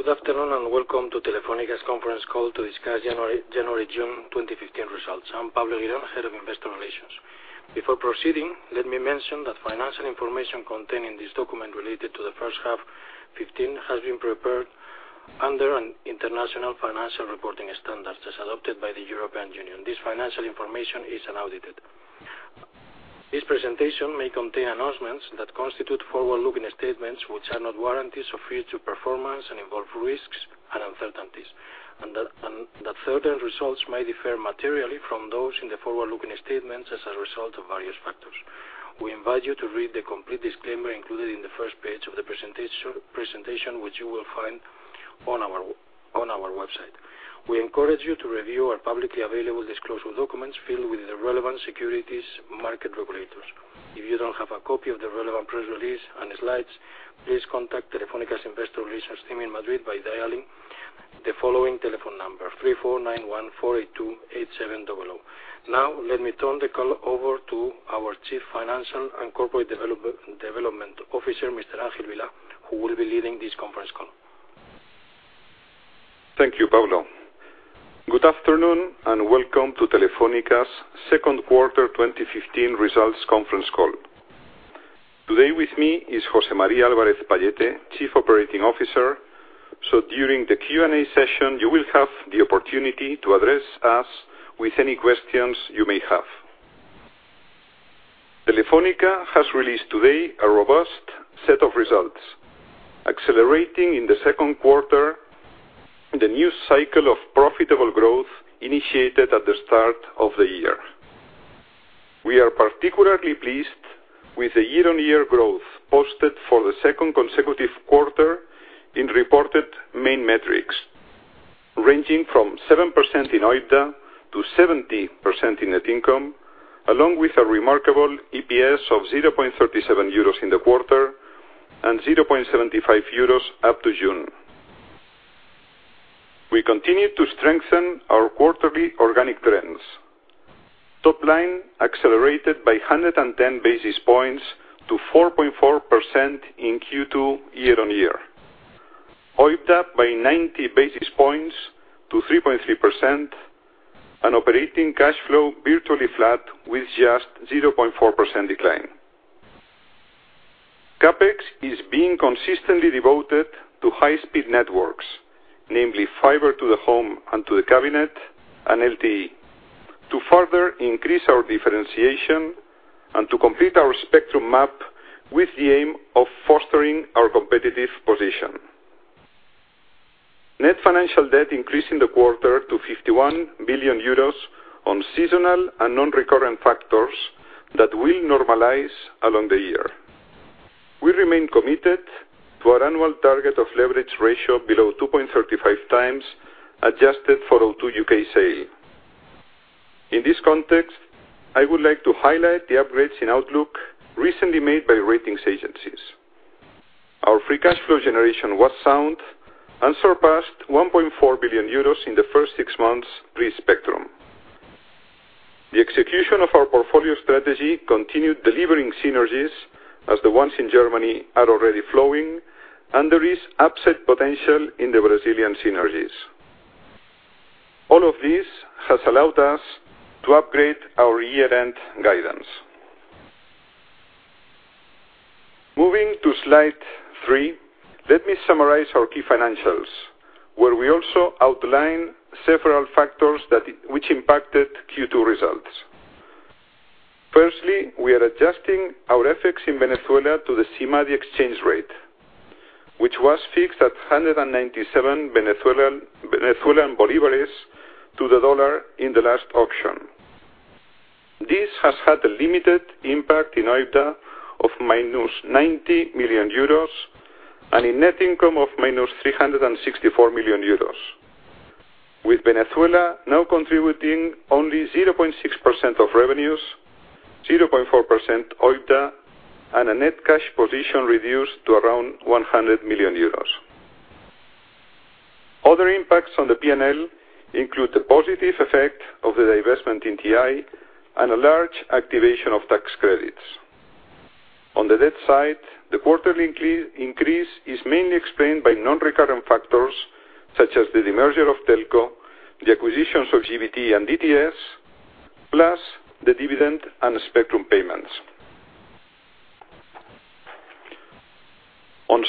Good afternoon, and welcome to Telefónica's conference call to discuss January to June 2015 results. I'm Pablo E. Lladó, Head of Investor Relations. Before proceeding, let me mention that financial information contained in this document related to the first half 2015 has been prepared under International Financial Reporting Standards as adopted by the European Union. This financial information is unaudited. This presentation may contain announcements that constitute forward-looking statements which are not guarantees of future performance and involve risks and uncertainties, and that certain results may differ materially from those in the forward-looking statements as a result of various factors. We invite you to read the complete disclaimer included in the first page of the presentation, which you will find on our website. We encourage you to review our publicly available disclosure documents filed with the relevant securities market regulators. If you don't have a copy of the relevant press release and slides, please contact Telefónica's investor relations team in Madrid by dialing the following telephone number, 34 91 482 8700. Now, let me turn the call over to our Chief Financial and Corporate Development Officer, Mr. Ángel Vilá, who will be leading this conference call. Thank you, Pablo. Good afternoon, and welcome to Telefónica's second quarter 2015 results conference call. Today with me is José María Álvarez-Pallete, Chief Operating Officer. During the Q&A session, you will have the opportunity to address us with any questions you may have. Telefónica has released today a robust set of results, accelerating in the second quarter the new cycle of profitable growth initiated at the start of the year. We are particularly pleased with the year-on-year growth posted for the second consecutive quarter in reported main metrics, ranging from 7% in OIBDA to 70% in net income, along with a remarkable EPS of 0.37 euros in the quarter and 0.75 euros up to June. We continue to strengthen our quarterly organic trends. Top line accelerated by 110 basis points to 4.4% in Q2 year-on-year, OIBDA by 90 basis points to 3.3%, and operating cash flow virtually flat with just 0.4% decline. CapEx is being consistently devoted to high-speed networks, namely fiber to the home and to the cabinet and LTE, to further increase our differentiation and to complete our spectrum map with the aim of fostering our competitive position. Net financial debt increased in the quarter to 51 billion euros on seasonal and non-recurrent factors that will normalize along the year. We remain committed to our annual target of leverage ratio below 2.35 times, adjusted for O2 UK sale. In this context, I would like to highlight the upgrades in outlook recently made by ratings agencies. Our free cash flow generation was sound and surpassed 1.4 billion euros in the first six months pre-spectrum. The execution of our portfolio strategy continued delivering synergies, as the ones in Germany are already flowing, and there is upside potential in the Brazilian synergies. All of this has allowed us to upgrade our year-end guidance. Moving to Slide three, let me summarize our key financials, where we also outline several factors which impacted Q2 results. Firstly, we are adjusting our effects in Venezuela to the SIMADI exchange rate, which was fixed at 197 Venezuelan bolívars to the dollar in the last auction. This has had a limited impact in OIBDA of minus 90 million euros and in net income of minus 364 million euros, with Venezuela now contributing only 0.6% of revenues, 0.4% OIBDA, and a net cash position reduced to around 100 million euros. Other impacts on the P&L include the positive effect of the divestment in TI and a large activation of tax credits. On the debt side, the quarterly increase is mainly explained by non-recurrent factors such as the demerger of Telco, the acquisitions of GVT and DTS, plus the dividend and spectrum payments.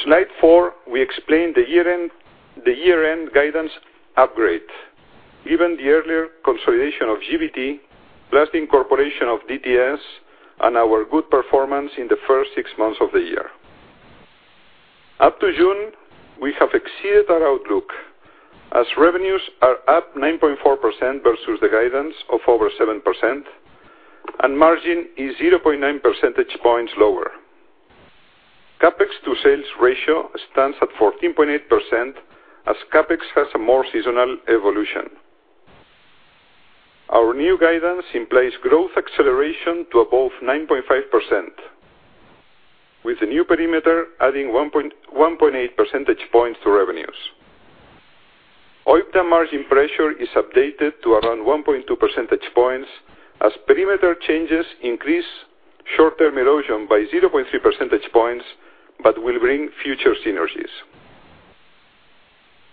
On Slide four, we explain the year-end guidance upgrade, given the earlier consolidation of GVT, plus the incorporation of DTS and our good performance in the first six months of the year. Up to June, we have exceeded our outlook as revenues are up 9.4% versus the guidance of over 7%, and margin is 0.9 percentage points lower. CapEx to sales ratio stands at 14.8% as CapEx has a more seasonal evolution. Our new guidance implies growth acceleration to above 9.5%, with the new perimeter adding 1.8 percentage points to revenues. OIBDA margin pressure is updated to around 1.2 percentage points as perimeter changes increase short-term erosion by 0.3 percentage points, but will bring future synergies.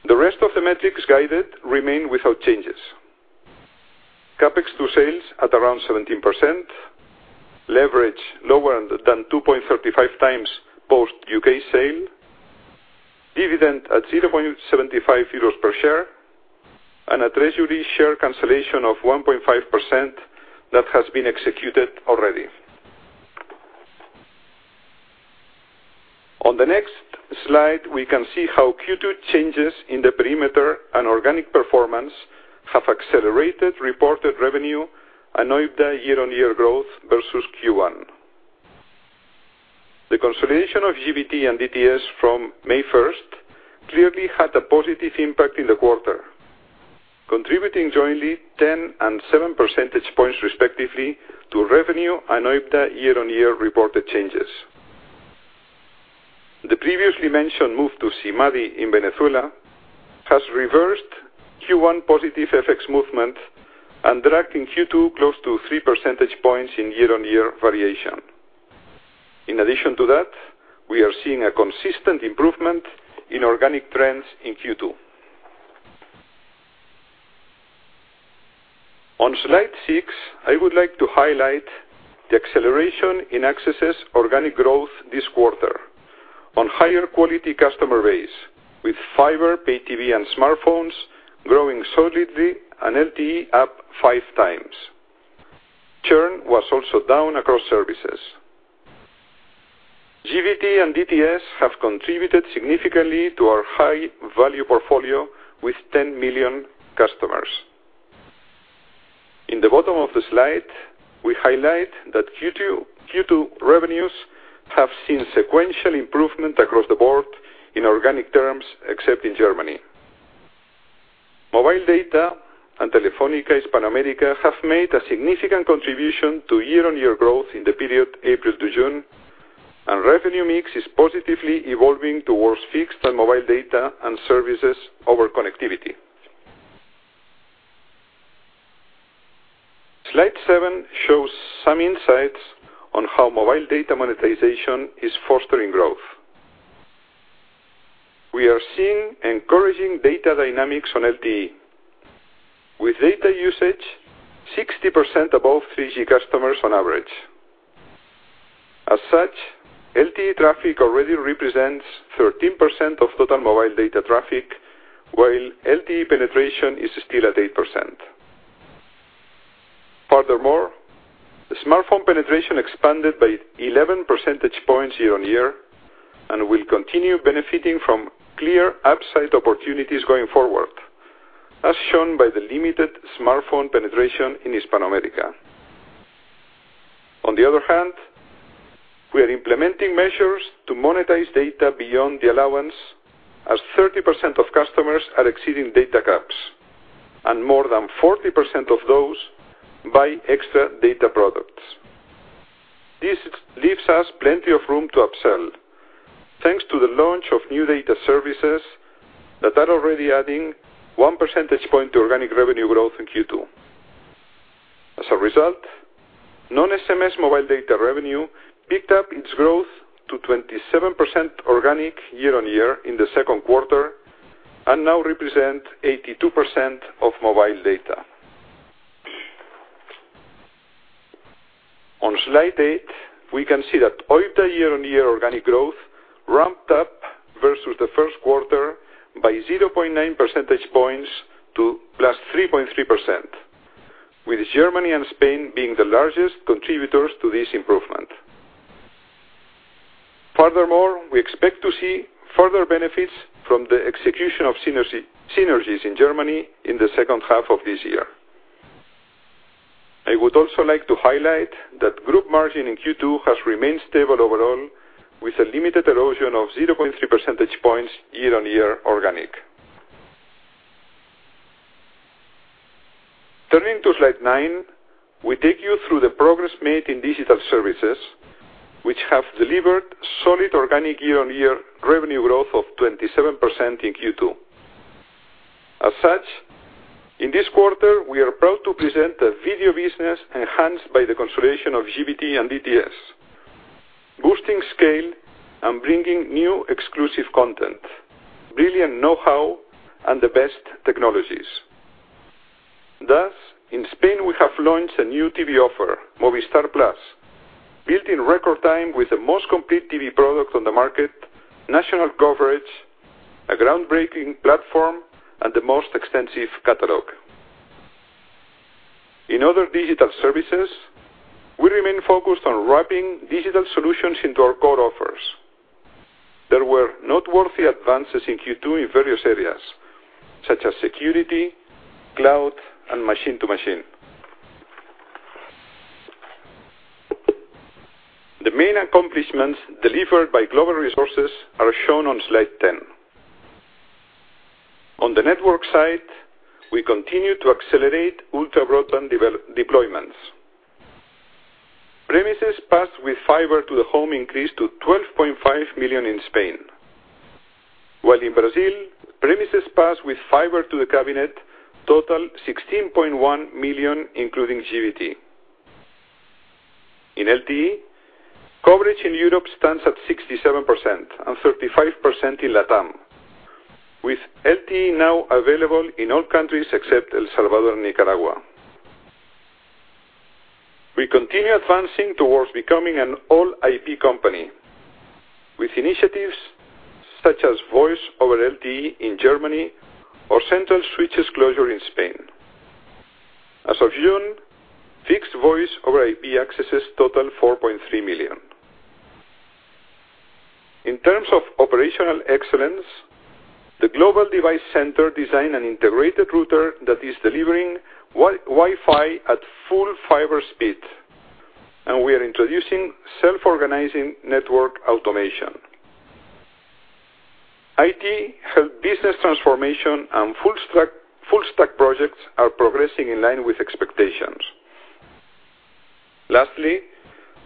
The rest of the metrics guided remain without changes. CapEx to sales at around 17%, leverage lower than 2.35 times post U.K. sale, dividend at 0.75 euros per share, and a treasury share cancellation of 1.5% that has been executed already. On the next slide, we can see how Q2 changes in the perimeter and organic performance have accelerated reported revenue and OIBDA year-on-year growth versus Q1. The consolidation of GVT and DTS from May 1st clearly had a positive impact in the quarter, contributing jointly 10 and seven percentage points, respectively, to revenue and OIBDA year-on-year reported changes. The previously mentioned move to SIMADI in Venezuela has reversed Q1 positive FX movement and dragged in Q2 close to three percentage points in year-on-year variation. In addition to that, we are seeing a consistent improvement in organic trends in Q2. On Slide six, I would like to highlight the acceleration in accesses organic growth this quarter on higher quality customer base, with fiber, pay TV, and smartphones growing solidly and LTE up five times. Churn was also down across services. GVT and DTS have contributed significantly to our high-value portfolio, with 10 million customers. In the bottom of the slide, we highlight that Q2 revenues have seen sequential improvement across the board in organic terms, except in Germany. Mobile data and Telefónica Hispanoamérica have made a significant contribution to year-on-year growth in the period April to June, and revenue mix is positively evolving towards fixed and mobile data and services over connectivity. Slide seven shows some insights on how mobile data monetization is fostering growth. We are seeing encouraging data dynamics on LTE, with data usage 60% above 3G customers on average. As such, LTE traffic already represents 13% of total mobile data traffic, while LTE penetration is still at 8%. Furthermore, the smartphone penetration expanded by 11 percentage points year-on-year and will continue benefiting from clear upside opportunities going forward, as shown by the limited smartphone penetration in Hispanoamérica. On the other hand, we are implementing measures to monetize data beyond the allowance, as 30% of customers are exceeding data caps, and more than 40% of those buy extra data products. This leaves us plenty of room to upsell, thanks to the launch of new data services that are already adding one percentage point to organic revenue growth in Q2. As a result, non-SMS mobile data revenue picked up its growth to 27% organic year-on-year in the second quarter and now represent 82% of mobile data. On slide 8, we can see that OIBDA year-on-year organic growth ramped up versus the first quarter by 0.9 percentage points to +3.3%, with Germany and Spain being the largest contributors to this improvement. Furthermore, we expect to see further benefits from the execution of synergies in Germany in the second half of this year. I would also like to highlight that group margin in Q2 has remained stable overall, with a limited erosion of 0.3 percentage points year-on-year organic. Turning to slide 9, we take you through the progress made in digital services, which have delivered solid organic year-on-year revenue growth of 27% in Q2. As such, in this quarter, we are proud to present a video business enhanced by the consolidation of GVT and DTS, boosting scale and bringing new exclusive content, brilliant know-how, and the best technologies. Thus, in Spain, we have launched a new TV offer, Movistar+, built in record time with the most complete TV product on the market, national coverage, a groundbreaking platform, and the most extensive catalog. In other digital services, we remain focused on wrapping digital solutions into our core offers. There were noteworthy advances in Q2 in various areas, such as security, cloud, and machine-to-machine. The main accomplishments delivered by global resources are shown on slide 10. On the network side, we continue to accelerate ultra-broadband deployments. Premises passed with fiber to the home increased to 12.5 million in Spain, while in Brazil, premises passed with fiber to the cabinet total 16.1 million, including GVT. In LTE, coverage in Europe stands at 67% and 35% in LATAM, with LTE now available in all countries except El Salvador and Nicaragua. We continue advancing towards becoming an all-IP company with initiatives such as Voice over LTE in Germany or central switches closure in Spain. As of June, fixed Voice over IP accesses total 4.3 million. In terms of operational excellence, the Global Device Development Centre designed an integrated router that is delivering Wi-Fi at full fiber speed, and we are introducing self-organizing network automation. IT helped business transformation and full-stack projects are progressing in line with expectations. Lastly,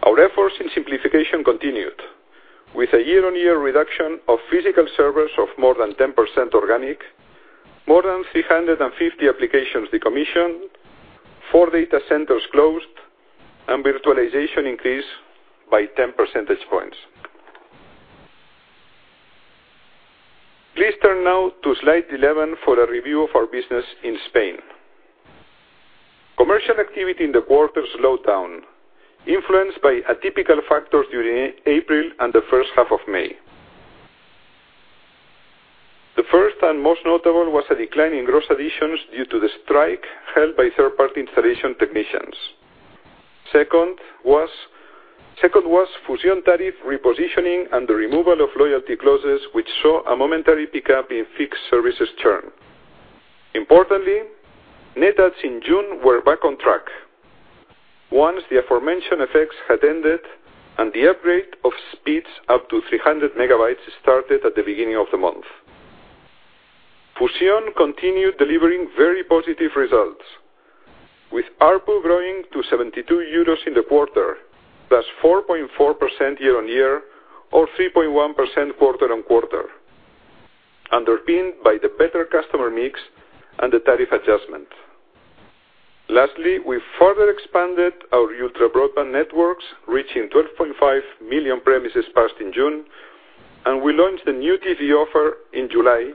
our efforts in simplification continued with a year-on-year reduction of physical servers of more than 10% organic, more than 350 applications decommissioned, four data centers closed, and virtualization increased by 10 percentage points. Please turn now to Slide 11 for a review of our business in Spain. Commercial activity in the quarter slowed down, influenced by atypical factors during April and the first half of May. The first and most notable was a decline in gross additions due to the strike held by third-party installation technicians. Second was Fusión tariff repositioning and the removal of loyalty clauses, which saw a momentary pickup in fixed services churn. Importantly, net adds in June were back on track once the aforementioned effects had ended and the upgrade of speeds up to 300 megabytes started at the beginning of the month. Fusión continued delivering very positive results, with ARPU growing to 72 euros in the quarter, +4.4% year-on-year or +3.1% quarter-on-quarter, underpinned by the better customer mix and the tariff adjustment. Lastly, we further expanded our ultra-broadband networks, reaching 12.5 million premises passed in June, and we launched a new TV offer in July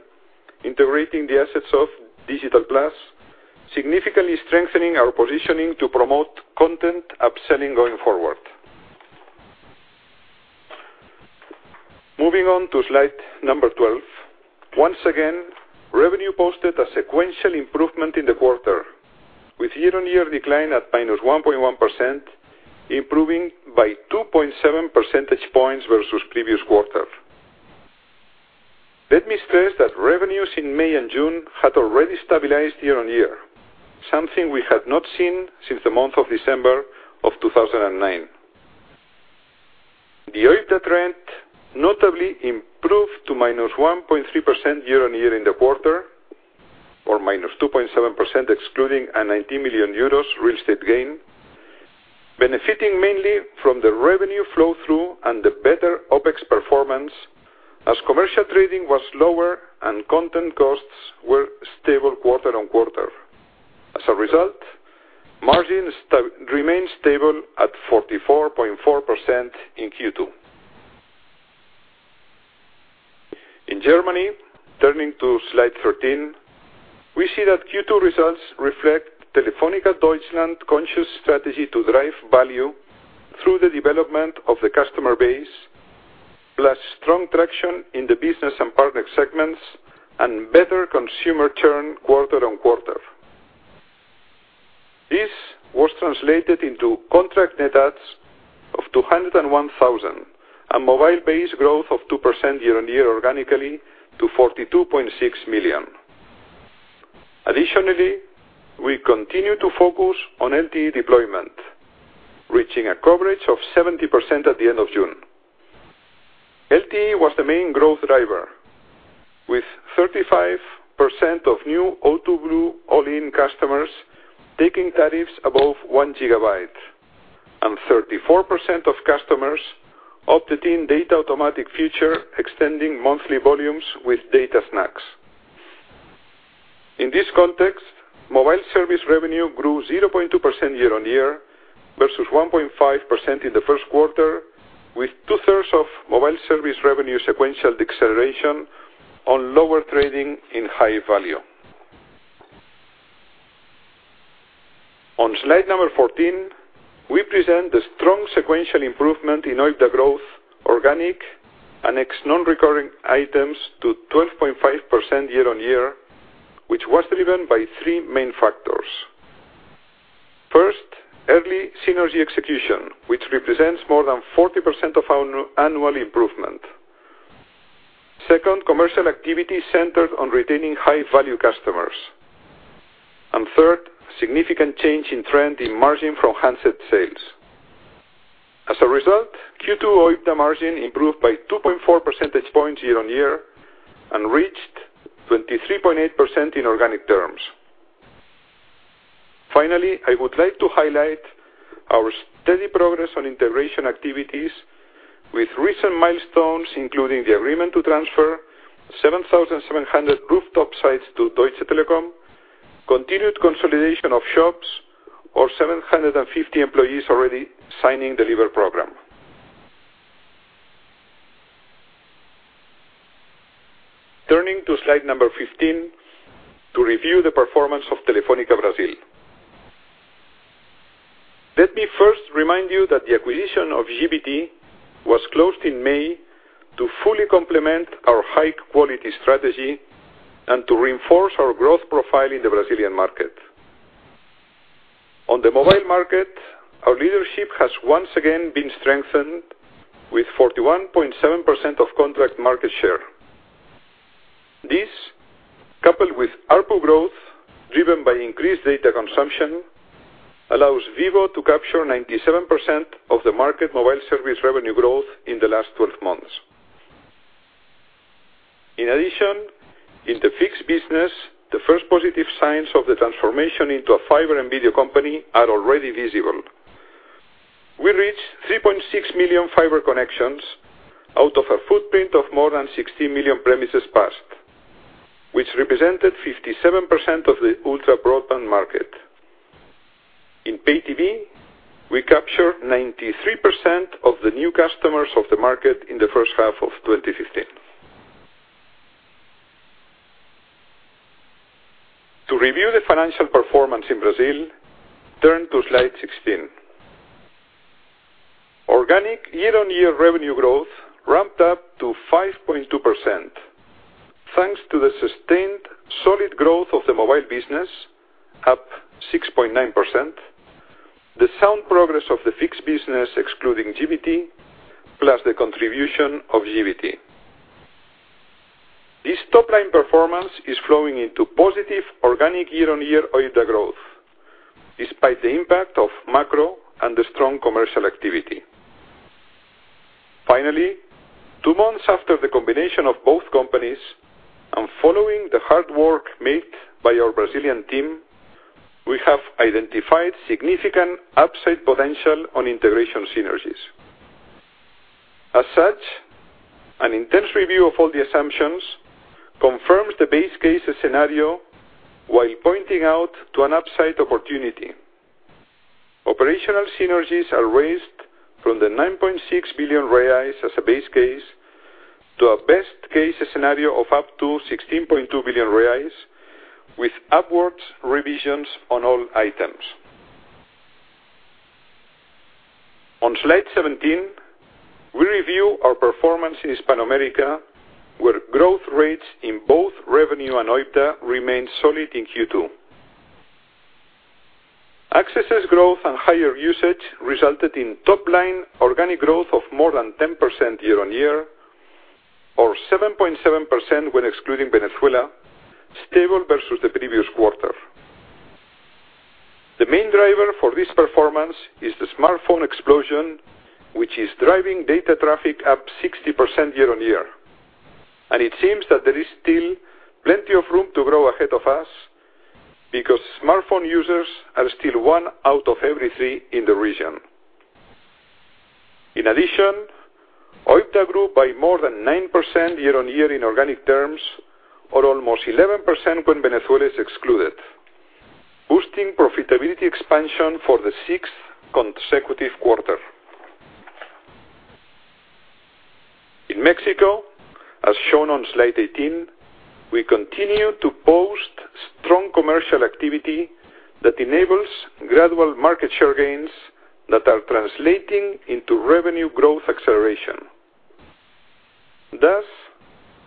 integrating the assets of Digital+, significantly strengthening our positioning to promote content upselling going forward. Moving on to slide number 12. Once again, revenue posted a sequential improvement in the quarter with year-on-year decline at -1.1%, improving by 2.7 percentage points versus previous quarter. Let me stress that revenues in May and June had already stabilized year-on-year, something we had not seen since the month of December of 2009. The OIBDA trend notably improved to -1.3% year-on-year in the quarter, or -2.7%, excluding a 19 million euros real estate gain, benefiting mainly from the revenue flow-through and the better OpEx performance as commercial trading was lower and content costs were stable quarter-on-quarter. As a result, margins remained stable at 44.4% in Q2. In Germany, turning to slide 13, we see that Q2 results reflect Telefónica Deutschland's conscious strategy to drive value through the development of the customer base, plus strong traction in the business and partner segments and better consumer churn quarter-on-quarter. This was translated into contract net adds of 201,000 and mobile base growth of +2% year-on-year organically to 42.6 million. Additionally, we continue to focus on LTE deployment, reaching a coverage of 70% at the end of June. LTE was the main growth driver, with 35% of new O2 Blue All-in customers taking tariffs above 1 gigabyte, and 34% of customers opted in data automatic feature extending monthly volumes with data snacks. In this context, mobile service revenue grew +0.2% year-on-year versus +1.5% in the first quarter, with two-thirds of mobile service revenue sequential deceleration on lower trading in high value. On slide number 14, we present the strong sequential improvement in OIBDA growth organic and ex non-recurring items to +12.5% year-on-year, which was driven by three main factors. First, early synergy execution, which represents more than 40% of our annual improvement. Second, commercial activity centered on retaining high-value customers. Third, significant change in trend in margin from handset sales. As a result, Q2 OIBDA margin improved by 2.4 percentage points year-on-year and reached 23.8% in organic terms. Finally, I would like to highlight our steady progress on integration activities with recent milestones, including the agreement to transfer 7,700 rooftop sites to Deutsche Telekom, continued consolidation of shops or 750 employees already signing the deliver program. Turning to slide number 15 to review the performance of Telefónica Brasil. Let me first remind you that the acquisition of GVT was closed in May to fully complement our high-quality strategy and to reinforce our growth profile in the Brazilian market. On the mobile market, our leadership has once again been strengthened with 41.7% of contract market share. This, coupled with ARPU growth driven by increased data consumption, allows Vivo to capture 97% of the market mobile service revenue growth in the last 12 months. In addition, in the fixed business, the first positive signs of the transformation into a fiber and video company are already visible. We reached 3.6 million fiber connections out of a footprint of more than 16 million premises passed, which represented 57% of the ultra-broadband market. In pay TV, we captured 93% of the new customers of the market in the first half of 2015. To review the financial performance in Brazil, turn to slide 16. Organic year-on-year revenue growth ramped up to 5.2%, thanks to the sustained solid growth of the mobile business, up 6.9%, the sound progress of the fixed business excluding GVT, plus the contribution of GVT. This top-line performance is flowing into positive organic year-on-year OIBDA growth, despite the impact of macro and the strong commercial activity. Finally, two months after the combination of both companies and following the hard work made by our Brazilian team, we have identified significant upside potential on integration synergies. As such, an intense review of all the assumptions confirms the base case scenario while pointing out to an upside opportunity. Operational synergies are raised from the 9.6 billion reais as a base case to a best case scenario of up to 16.2 billion reais with upwards revisions on all items. On slide 17, we review our performance in Hispanoamérica, where growth rates in both revenue and OIBDA remained solid in Q2. Accesses growth and higher usage resulted in top-line organic growth of more than 10% year-on-year or 7.7% when excluding Venezuela, stable versus the previous quarter. The main driver for this performance is the smartphone explosion, which is driving data traffic up 60% year-on-year. It seems that there is still plenty of room to grow ahead of us because smartphone users are still one out of every three in the region. In addition, OIBDA grew by more than 9% year-on-year in organic terms or almost 11% when Venezuela is excluded, boosting profitability expansion for the sixth consecutive quarter. In Mexico, as shown on slide 18, we continue to post strong commercial activity that enables gradual market share gains that are translating into revenue growth acceleration. Thus,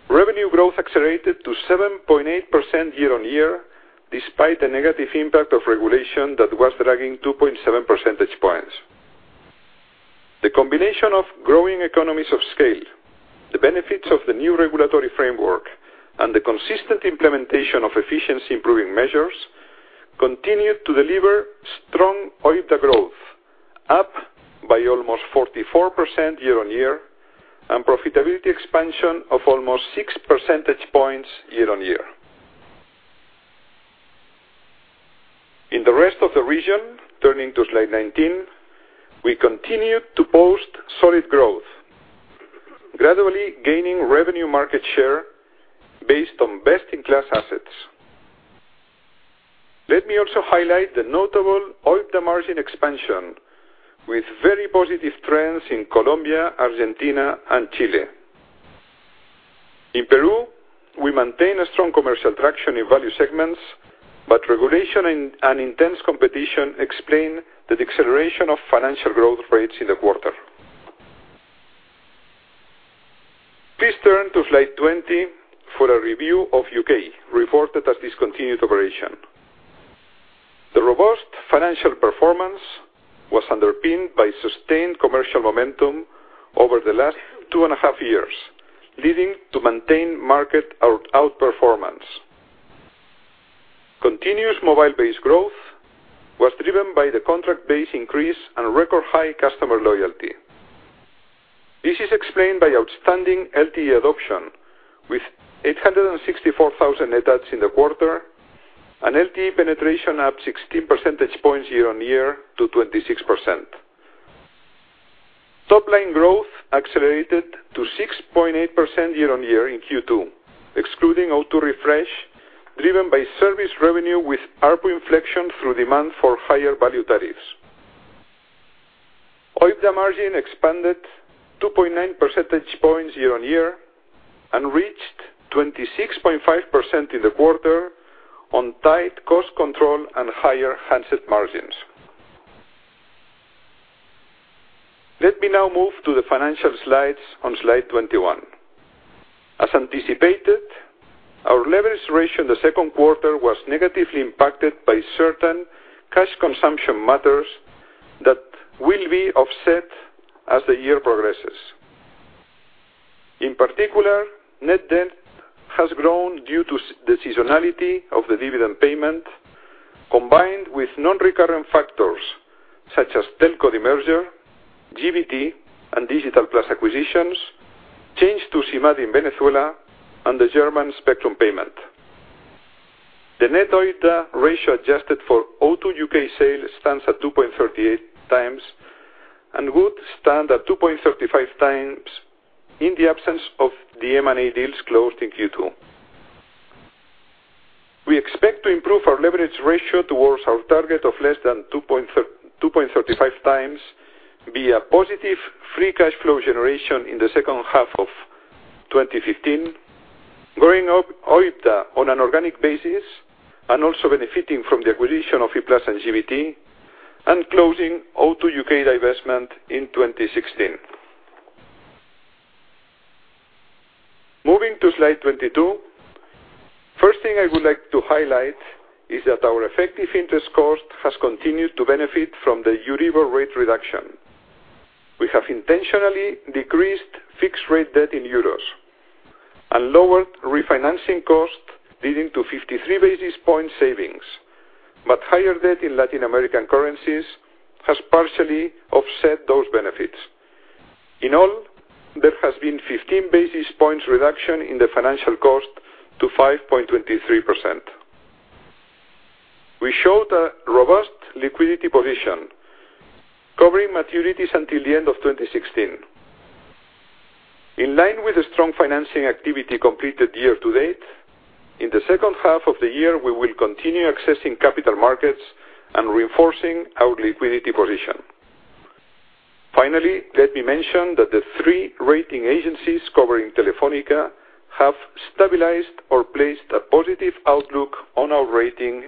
revenue growth accelerated to 7.8% year-on-year, despite the negative impact of regulation that was dragging 2.7 percentage points. The combination of growing economies of scale, the benefits of the new regulatory framework, and the consistent implementation of efficiency improving measures continued to deliver strong OIBDA growth, up by almost 44% year-on-year and profitability expansion of almost six percentage points year-on-year. In the rest of the region, turning to slide 19, we continued to post solid growth, gradually gaining revenue market share based on best-in-class assets. Let me also highlight the notable OIBDA margin expansion with very positive trends in Colombia, Argentina, and Chile. In Peru, we maintain a strong commercial traction in value segments, but regulation and intense competition explain the deceleration of financial growth rates in the quarter. Please turn to slide 20 for a review of U.K., reported as discontinued operation. The robust financial performance was underpinned by sustained commercial momentum over the last two and a half years, leading to maintained market outperformance. Continuous mobile-based growth was driven by the contract-based increase and record high customer loyalty. This is explained by outstanding LTE adoption, with 864,000 net adds in the quarter, and LTE penetration up 16 percentage points year-on-year to 26%. Top-line growth accelerated to 6.8% year-on-year in Q2, excluding O2 Refresh, driven by service revenue with ARPU inflection through demand for higher value tariffs. OIBDA margin expanded 2.9 percentage points year-on-year and reached 26.5% in the quarter on tight cost control and higher handset margins. Let me now move to the financial slides on slide 21. As anticipated, our leverage ratio in the second quarter was negatively impacted by certain cash consumption matters that will be offset as the year progresses. In particular, net debt has grown due to the seasonality of the dividend payment, combined with non-recurrent factors such as Telco demerger, GVT and Digital+ acquisitions, change to SIMADI in Venezuela and the German spectrum payment. The net OIBDA ratio adjusted for O2 UK sales stands at 2.38 times and would stand at 2.35 times in the absence of the M&A deals closed in Q2. We expect to improve our leverage ratio towards our target of less than 2.35 times via positive free cash flow generation in the second half of 2015, growing up OIBDA on an organic basis and also benefiting from the acquisition of E-Plus and GVT, and closing O2 UK divestment in 2016. Moving to slide 22. First thing I would like to highlight is that our effective interest cost has continued to benefit from the EURIBOR rate reduction. We have intentionally decreased fixed rate debt in EUR and lowered refinancing costs, leading to 53 basis point savings, but higher debt in Latin American currencies has partially offset those benefits. In all, there has been 15 basis points reduction in the financial cost to 5.23%. We showed a robust liquidity position covering maturities until the end of 2016. In line with the strong financing activity completed year-to-date, in the second half of the year, we will continue accessing capital markets and reinforcing our liquidity position. Finally, let me mention that the three rating agencies covering Telefónica have stabilized or placed a positive outlook on our rating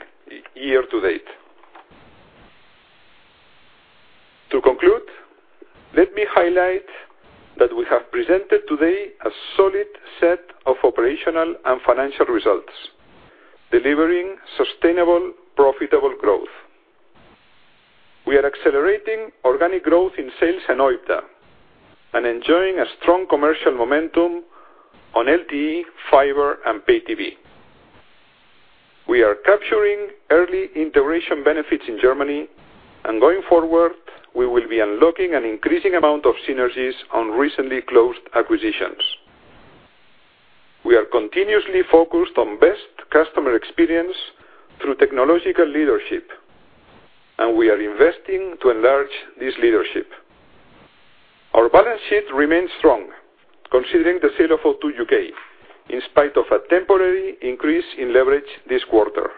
year-to-date. To conclude, let me highlight that we have presented today a solid set of operational and financial results, delivering sustainable, profitable growth. We are accelerating organic growth in sales and OIBDA and enjoying a strong commercial momentum on LTE, fiber and Pay TV. We are capturing early integration benefits in Germany, and going forward, we will be unlocking an increasing amount of synergies on recently closed acquisitions. We are continuously focused on best customer experience through technological leadership, and we are investing to enlarge this leadership. Our balance sheet remains strong considering the sale of O2 UK, in spite of a temporary increase in leverage this quarter.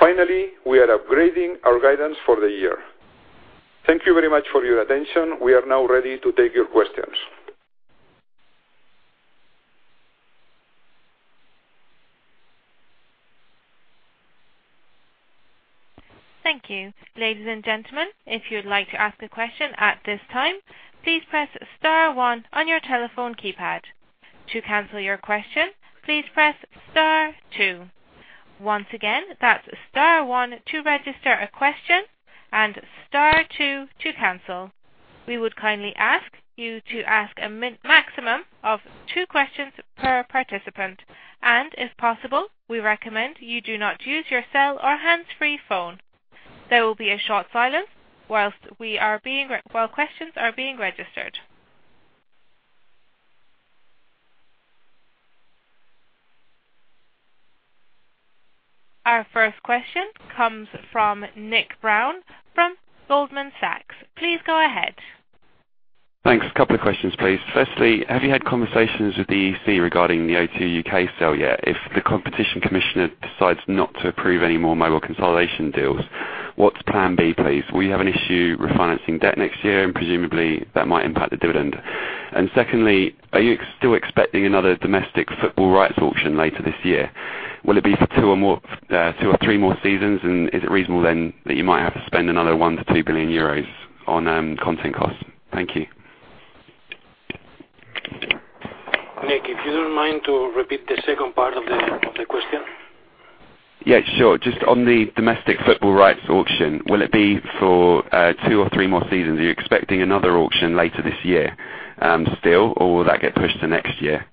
Finally, we are upgrading our guidance for the year. Thank you very much for your attention. We are now ready to take your questions. Thank you. Ladies and gentlemen, if you'd like to ask a question at this time, please press star one on your telephone keypad. To cancel your question, please press star two. Once again, that's star one to register a question and star two to cancel. We would kindly ask you to ask a maximum of two questions per participant, and if possible, we recommend you do not use your cell or hands-free phone. There will be a short silence while questions are being registered. Our first question comes from Nick Brown from Goldman Sachs. Please go ahead. Thanks. Couple of questions, please. Firstly, have you had conversations with the EC regarding the O2 UK sale yet? If the competition commissioner decides not to approve any more mobile consolidation deals, what's plan B, please? Will you have an issue refinancing debt next year? Presumably, that might impact the dividend. Secondly, are you still expecting another domestic football rights auction later this year? Will it be for two or three more seasons? Is it reasonable then, that you might have to spend another 1 billion-2 billion euros on content costs? Thank you. Nick, if you don't mind to repeat the second part of the question. Yeah, sure. Just on the domestic football rights auction, will it be for two or three more seasons? Are you expecting another auction later this year still, or will that get pushed to next year?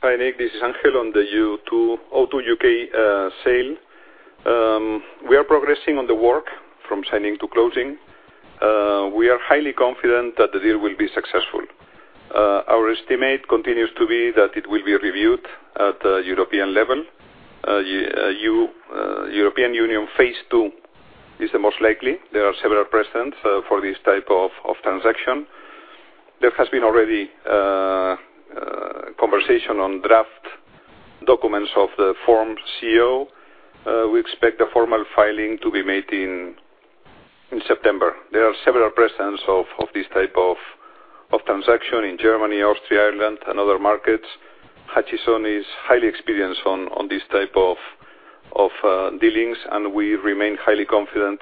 Hi, Nick. This is Ángel on the O2 U.K. sale. We are progressing on the work from signing to closing. We are highly confident that the deal will be successful. Our estimate continues to be that it will be reviewed at the European level. European Union Phase II is the most likely. There are several precedents for this type of transaction. There has been already conversation on draft documents of the Form CO. We expect the formal filing to be made in September. There are several precedents of this type of transaction in Germany, Austria, Ireland, and other markets. Hutchison is highly experienced on these type of dealings, and we remain highly confident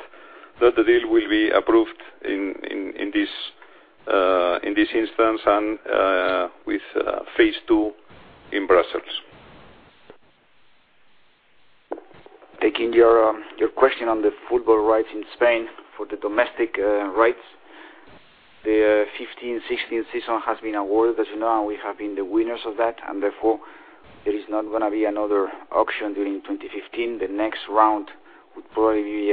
that the deal will be approved in this instance and with Phase II in Brussels. Taking your question on the football rights in Spain for the domestic rights. The 2015-2016 season has been awarded, as you know, and we have been the winners of that. Therefore, there is not going to be another auction during 2015. The next round would probably be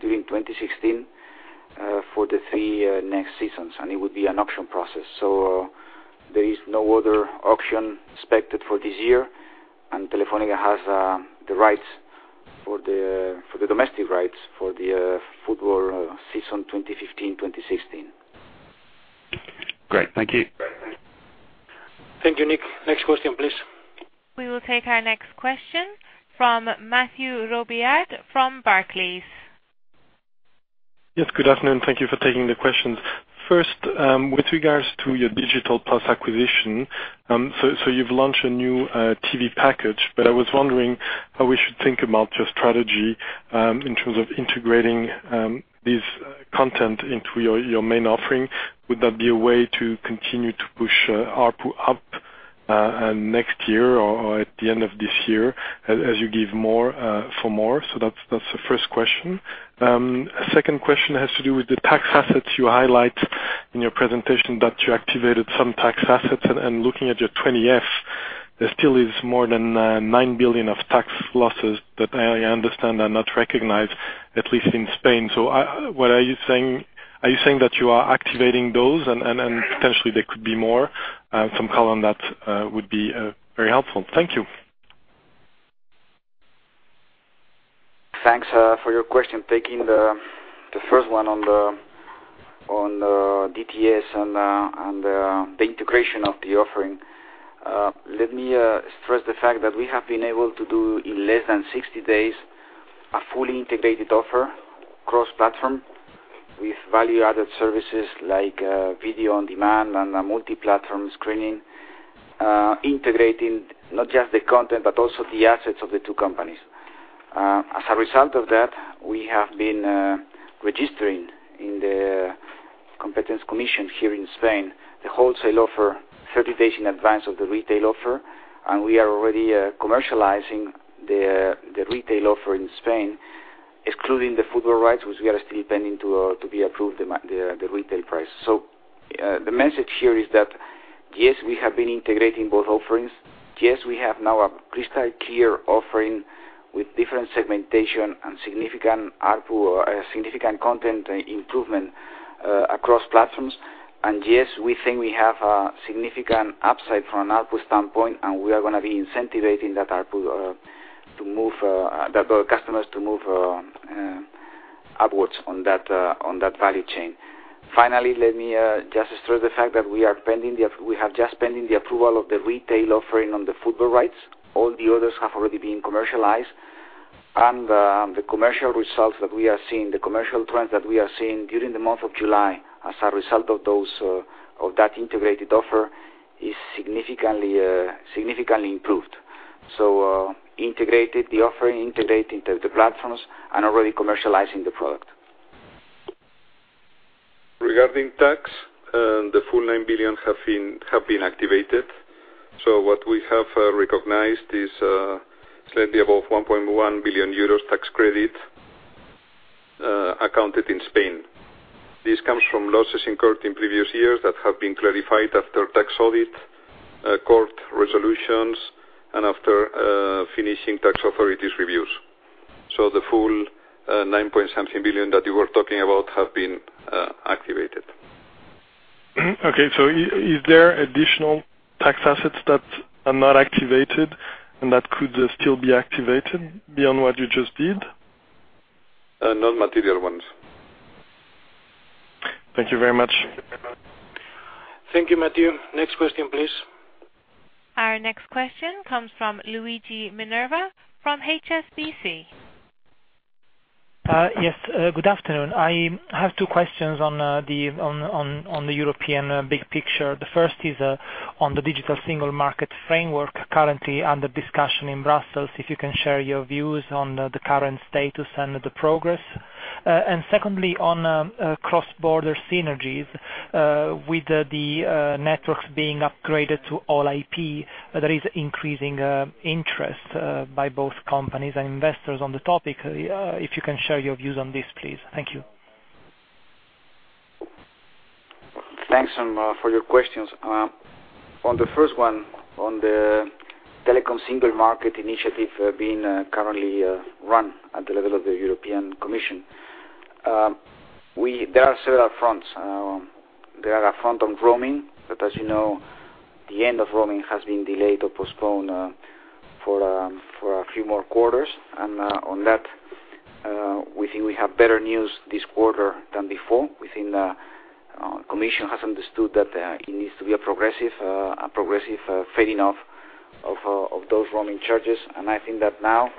during 2016, for the three next seasons, and it would be an auction process. There is no other auction expected for this year, and Telefónica has the rights for the domestic rights for the football season 2015-2016. Great. Thank you. Thank you, Nick. Next question, please. We will take our next question from Mathieu Robilliard from Barclays. Yes, good afternoon. Thank you for taking the questions. First, with regards to your Digital+ acquisition. You've launched a new TV package, but I was wondering how we should think about your strategy, in terms of integrating this content into your main offering. Would that be a way to continue to push ARPU up next year or at the end of this year, as you give more for more? That's the first question. A second question has to do with the tax assets you highlight in your presentation that you activated some tax assets. Looking at your 20F, there still is more than 9 billion of tax losses that I understand are not recognized, at least in Spain. Are you saying that you are activating those and potentially there could be more? Some color on that would be very helpful. Thank you. Thanks for your question. Taking the first one on DTS and the integration of the offering. Let me stress the fact that we have been able to do in less than 60 days, a fully integrated offer cross-platform with value-added services like video on demand and multi-platform screening, integrating not just the content, but also the assets of the two companies. As a result of that, we have been registering in the Competition Commission here in Spain, the wholesale offer 30 days in advance of the retail offer, and we are already commercializing the retail offer in Spain, excluding the football rights, which we are still pending to be approved the retail price. The message here is that, yes, we have been integrating both offerings. Yes, we have now a crystal clear offering with different segmentation and significant ARPU or significant content improvement across platforms. Yes, we think we have a significant upside from an ARPU standpoint, and we are going to be incentivizing that ARPU to move the customers upwards on that value chain. Finally, let me just stress the fact that we have just pending the approval of the retail offering on the football rights. All the others have already been commercialized. The commercial results that we are seeing, the commercial trends that we are seeing during the month of July as a result of that integrated offer, is significantly improved. Integrated the offering, integrating the platforms, and already commercializing the product. Regarding tax, the full 9 billion have been activated. What we have recognized is slightly above 1.1 billion euros tax credit accounted in Spain. This comes from losses incurred in previous years that have been clarified after tax audit, court resolutions, and after finishing tax authorities' reviews. The full nine point something billion that you were talking about have been activated. Okay. Is there additional tax assets that are not activated and that could still be activated beyond what you just did? Non-material ones. Thank you very much. Thank you, Matthew. Next question, please. Our next question comes from Luigi Minerva from HSBC. Yes, good afternoon. I have two questions on the European big picture. The first is on the Digital Single Market framework currently under discussion in Brussels, if you can share your views on the current status and the progress. Secondly, on cross-border synergies, with the networks being upgraded to all-IP, there is increasing interest by both companies and investors on the topic. If you can share your views on this, please. Thank you. Thanks for your questions. On the first one, on the Telecoms Single Market initiative being currently run at the level of the European Commission. There are several fronts. There are a front on roaming, as you know, the end of roaming has been delayed or postponed for a few more quarters. On that, we think we have better news this quarter than before. We think the commission has understood that it needs to be a progressive fading off of those roaming charges. I think that now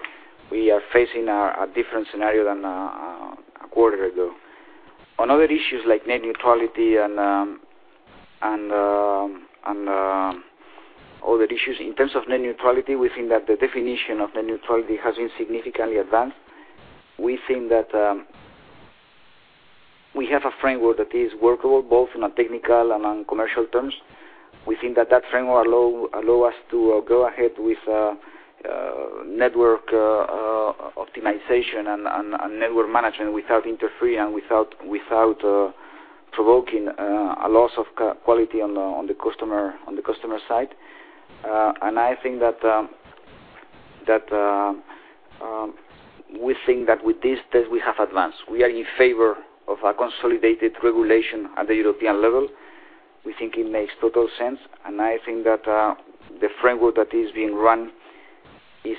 we are facing a different scenario than a quarter ago. On other issues like net neutrality and other issues, in terms of net neutrality, we think that the definition of net neutrality has been significantly advanced. We think that we have a framework that is workable, both in a technical and on commercial terms. We think that framework allow us to go ahead with network optimization and network management without interfering and without provoking a loss of quality on the customer side. We think that with this test, we have advanced. We are in favor of a consolidated regulation at the European level. We think it makes total sense, and I think that the framework that is being run is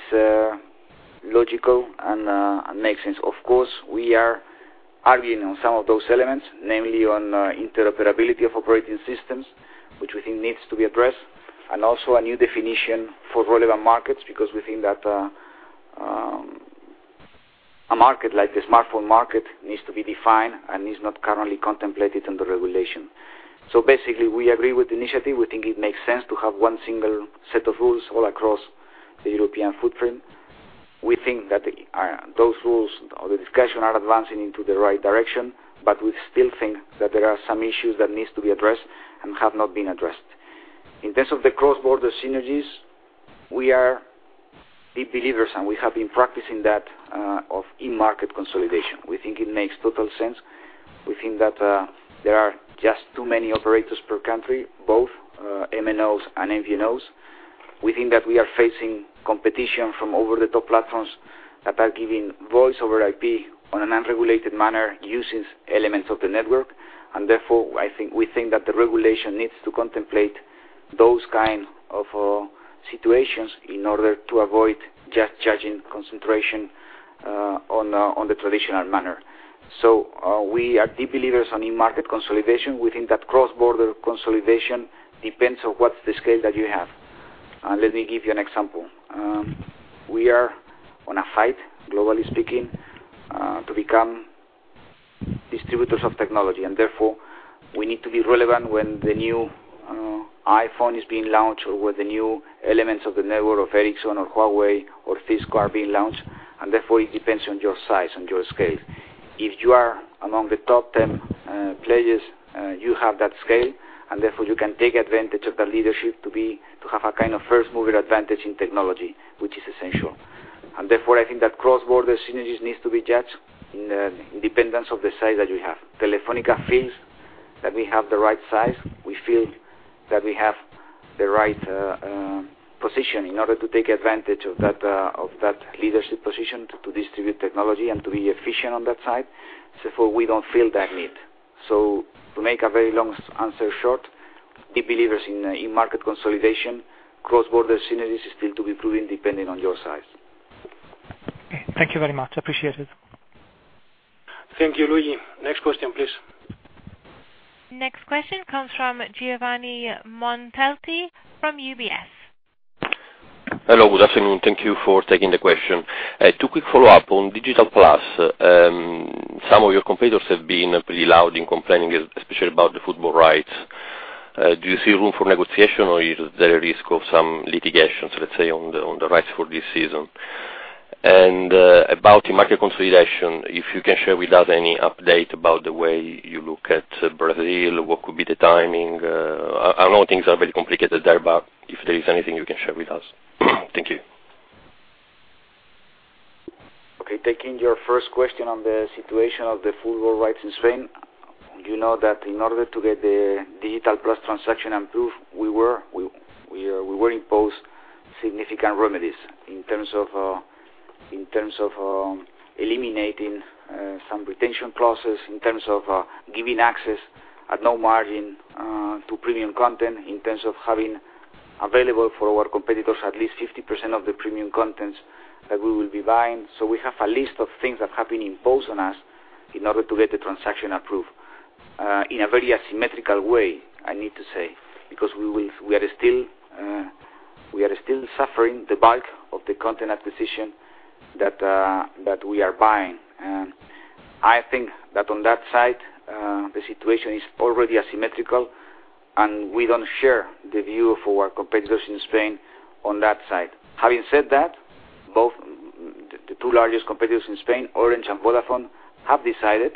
logical and makes sense. Of course, we are arguing on some of those elements, namely on interoperability of operating systems, which we think needs to be addressed, and also a new definition for relevant markets, because we think that a market like the smartphone market needs to be defined and is not currently contemplated in the regulation. Basically, we agree with the initiative. We think it makes sense to have one single set of rules all across the European footprint. We think that those rules or the discussion are advancing into the right direction, but we still think that there are some issues that needs to be addressed and have not been addressed. In terms of the cross-border synergies, we are big believers, and we have been practicing that of in-market consolidation. We think it makes total sense. We think that there are just too many operators per country, both MNOs and MVNOs. We think that we are facing competition from over-the-top platforms that are giving Voice over IP on an unregulated manner using elements of the network. Therefore, we think that the regulation needs to contemplate those kinds of situations in order to avoid just judging concentration on the traditional manner. We are big believers on in-market consolidation. We think that cross-border consolidation depends on what's the scale that you have. Let me give you an example. We are on a fight, globally speaking, to become distributors of technology, and therefore, we need to be relevant when the new iPhone is being launched or when the new elements of the network of Ericsson or Huawei or Cisco are being launched. Therefore, it depends on your size and your scale. If you are among the top 10 players, you have that scale, and therefore you can take advantage of that leadership to have a first-mover advantage in technology, which is essential. Therefore, I think that cross-border synergies needs to be judged in independence of the size that you have. Telefónica feels that we have the right size. We feel that we have the right position in order to take advantage of that leadership position to distribute technology and to be efficient on that side. Therefore, we don't feel that need. To make a very long answer short, big believers in in-market consolidation, cross-border synergies is still to be proven depending on your size. Okay. Thank you very much. Appreciate it. Thank you, Luigi. Next question, please. Next question comes from Giovanni Montalti from UBS. Hello. Good afternoon. Thank you for taking the question. Two quick follow-up on Digital+. Some of your competitors have been pretty loud in complaining, especially about the football rights. Do you see room for negotiation, or is there a risk of some litigations, let's say, on the rights for this season? About in-market consolidation, if you can share with us any update about the way you look at Brazil, what could be the timing? I know things are very complicated there, but if there is anything you can share with us. Thank you. Okay. Taking your first question on the situation of the football rights in Spain. You know that in order to get the Digital+ transaction approved, we were imposed significant remedies in terms of eliminating some retention process, in terms of giving access at no margin to premium content, in terms of having available for our competitors at least 50% of the premium contents that we will be buying. We have a list of things that have been imposed on us in order to get the transaction approved in a very asymmetrical way, I need to say, because we are still suffering the bulk of the content acquisition that we are buying. I think that on that side, the situation is already asymmetrical, and we don't share the view for our competitors in Spain on that side. Having said that, the two largest competitors in Spain, Orange and Vodafone, have decided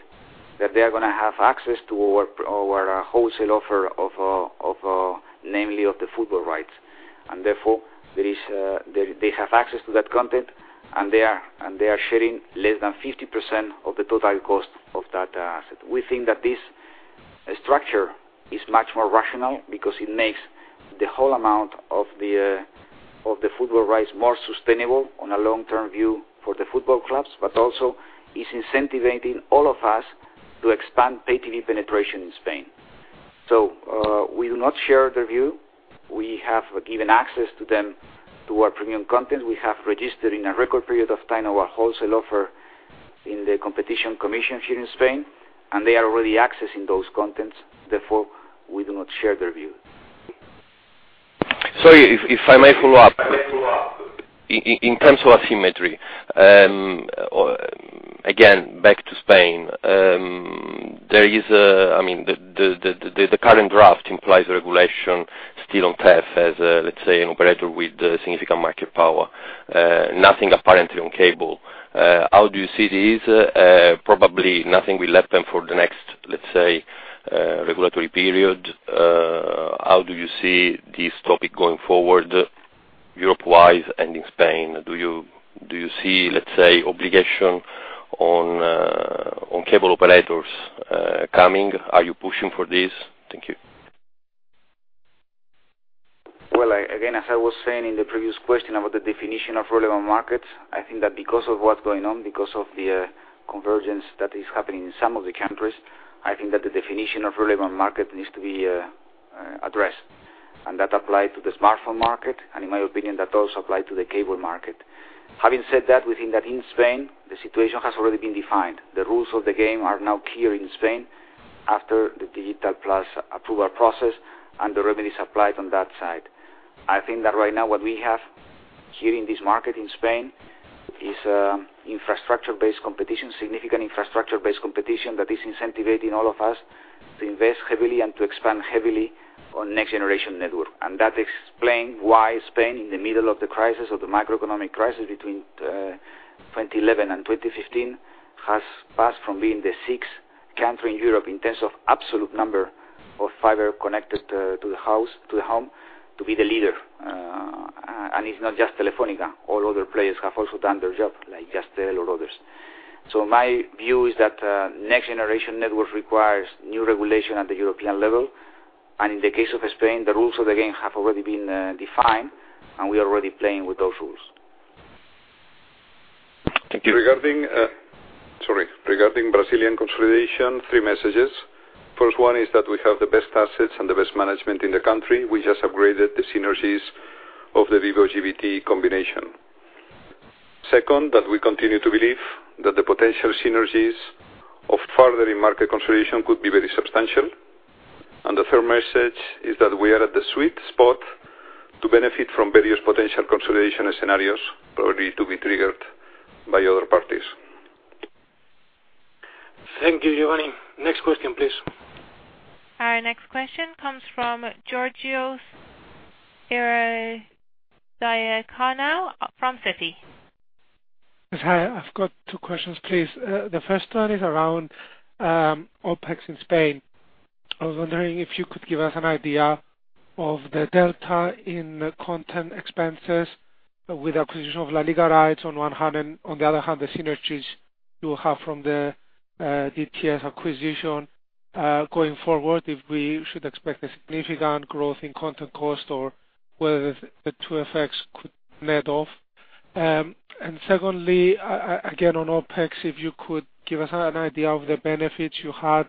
that they are going to have access to our wholesale offer of namely of the football rights. Therefore, they have access to that content, and they are sharing less than 50% of the total cost of that asset. We think that this structure is much more rational because it makes the whole amount of the football rights more sustainable on a long-term view for the football clubs, but also is incentivizing all of us to expand pay TV penetration in Spain. We do not share their view. We have given access to them to our premium content. We have registered in a record period of time our wholesale offer in the competition commission here in Spain, and they are already accessing those contents. Therefore, we do not share their view. Sorry, if I may follow up. In terms of asymmetry, again, back to Spain. The current draft implies a regulation still on PSTN as, let's say, an operator with significant market power. Nothing apparently on cable. How do you see this? Probably nothing will let them for the next, let's say, regulatory period. How do you see this topic going forward Europe-wise and in Spain? Do you see, let's say, obligation on cable operators coming? Are you pushing for this? Thank you. Well, again, as I was saying in the previous question about the definition of relevant markets, I think that because of what's going on, because of the convergence that is happening in some of the countries, I think that the definition of relevant market needs to be addressed. That applied to the smartphone market, and in my opinion, that also applied to the cable market. Having said that, we think that in Spain, the situation has already been defined. The rules of the game are now clear in Spain after the Digital+ approval process and the remedies applied on that side. I think that right now what we have here in this market in Spain is infrastructure-based competition, significant infrastructure-based competition that is incentivizing all of us to invest heavily and to expand heavily on next-generation network. That explains why Spain, in the middle of the crisis, of the macroeconomic crisis between 2011 and 2015, has passed from being the sixth country in Europe in terms of absolute number of fiber connected to the home, to be the leader. It's not just Telefónica. All other players have also done their job, like Jazztel or others. My view is that next-generation networks requires new regulation at the European level. In the case of Spain, the rules of the game have already been defined, and we are already playing with those rules. Thank you. Regarding Brazilian consolidation, three messages. First one is that we have the best assets and the best management in the country. We just upgraded the synergies of the Vivo GVT combination. Second, that we continue to believe that the potential synergies of further in-market consolidation could be very substantial. The third message is that we are at the sweet spot to benefit from various potential consolidation scenarios, probably to be triggered by other parties. Thank you, Giovanni. Next question, please. Our next question comes from Georgios Ierodiakonou from Citi. Yes, hi. I've got two questions, please. The first one is around OpEx in Spain. I was wondering if you could give us an idea of the delta in content expenses with acquisition of LaLiga rights on one hand and, on the other hand, the synergies you will have from the DTS acquisition going forward, if we should expect a significant growth in content cost or whether the two effects could net off. Secondly, again, on OpEx, if you could give us an idea of the benefits you had